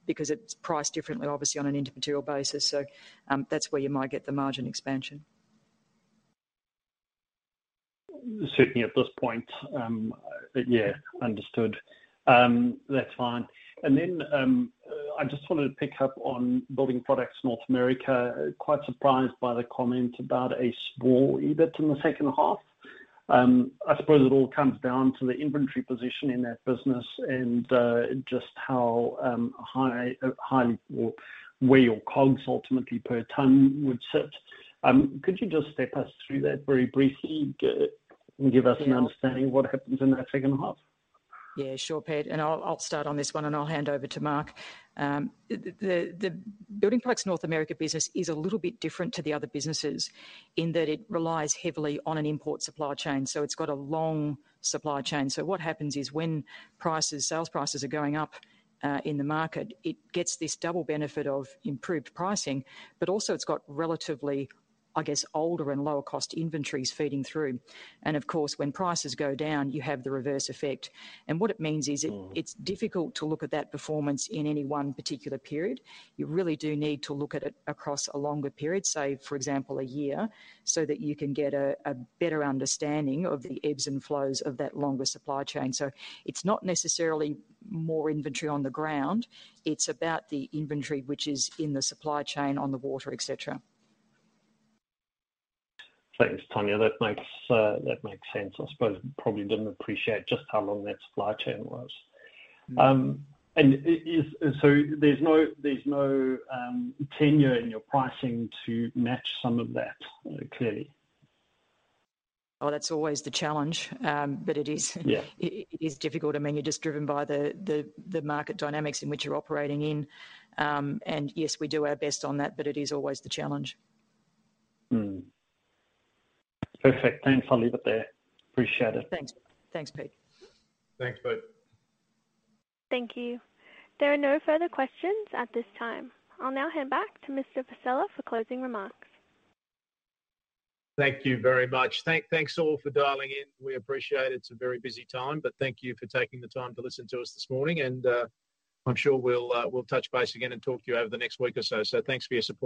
[SPEAKER 2] because it's priced differently obviously on an intermaterial basis. That's where you might get the margin expansion.
[SPEAKER 11] Certainly at this point. Yeah, understood. That's fine. I just wanted to pick up on Building Products North America. Quite surprised by the comment about a small EBIT in the second half. I suppose it all comes down to the inventory position in that business and just how high, highly or where your costs ultimately per ton would sit. Could you just step us through that very briefly and give us an understanding of what happens in that second half?
[SPEAKER 2] Yeah, sure, Pete. I'll start on this one, and I'll hand over to Mark. The Building Products North America business is a little bit different to the other businesses in that it relies heavily on an import supply chain. It's got a long supply chain. What happens is when prices, sales prices are going up, in the market, it gets this double benefit of improved pricing, but also it's got relatively, I guess, older and lower cost inventories feeding through. Of course, when prices go down, you have the reverse effect. What it means is it-- It's difficult to look at that performance in any one particular period. You really do need to look at it across a longer period, say for example a year, so that you can get a better understanding of the ebbs and flows of that longer supply chain. It's not necessarily more inventory on the ground, it's about the inventory which is in the supply chain on the water, et cetera.
[SPEAKER 11] Thanks, Tania. That makes, that makes sense. I suppose probably didn't appreciate just how long that supply chain was. There's no tenure in your pricing to match some of that, clearly?
[SPEAKER 2] Oh, that's always the challenge. It is difficult. I mean, you're just driven by the, the market dynamics in which you're operating in. Yes, we do our best on that, but it is always the challenge.
[SPEAKER 11] Perfect. Thanks. I'll leave it there. Appreciate it.
[SPEAKER 2] Thanks, Pete.
[SPEAKER 1] Thanks, Pete.
[SPEAKER 3] Thank you. There are no further questions at this time. I'll now hand back to Mr. Vassella for closing remarks.
[SPEAKER 1] Thank you very much. Thanks all for dialing in. We appreciate it. It's a very busy time, but thank you for taking the time to listen to us this morning, and I'm sure we'll touch base again and talk to you over the next week or so. Thanks for your support.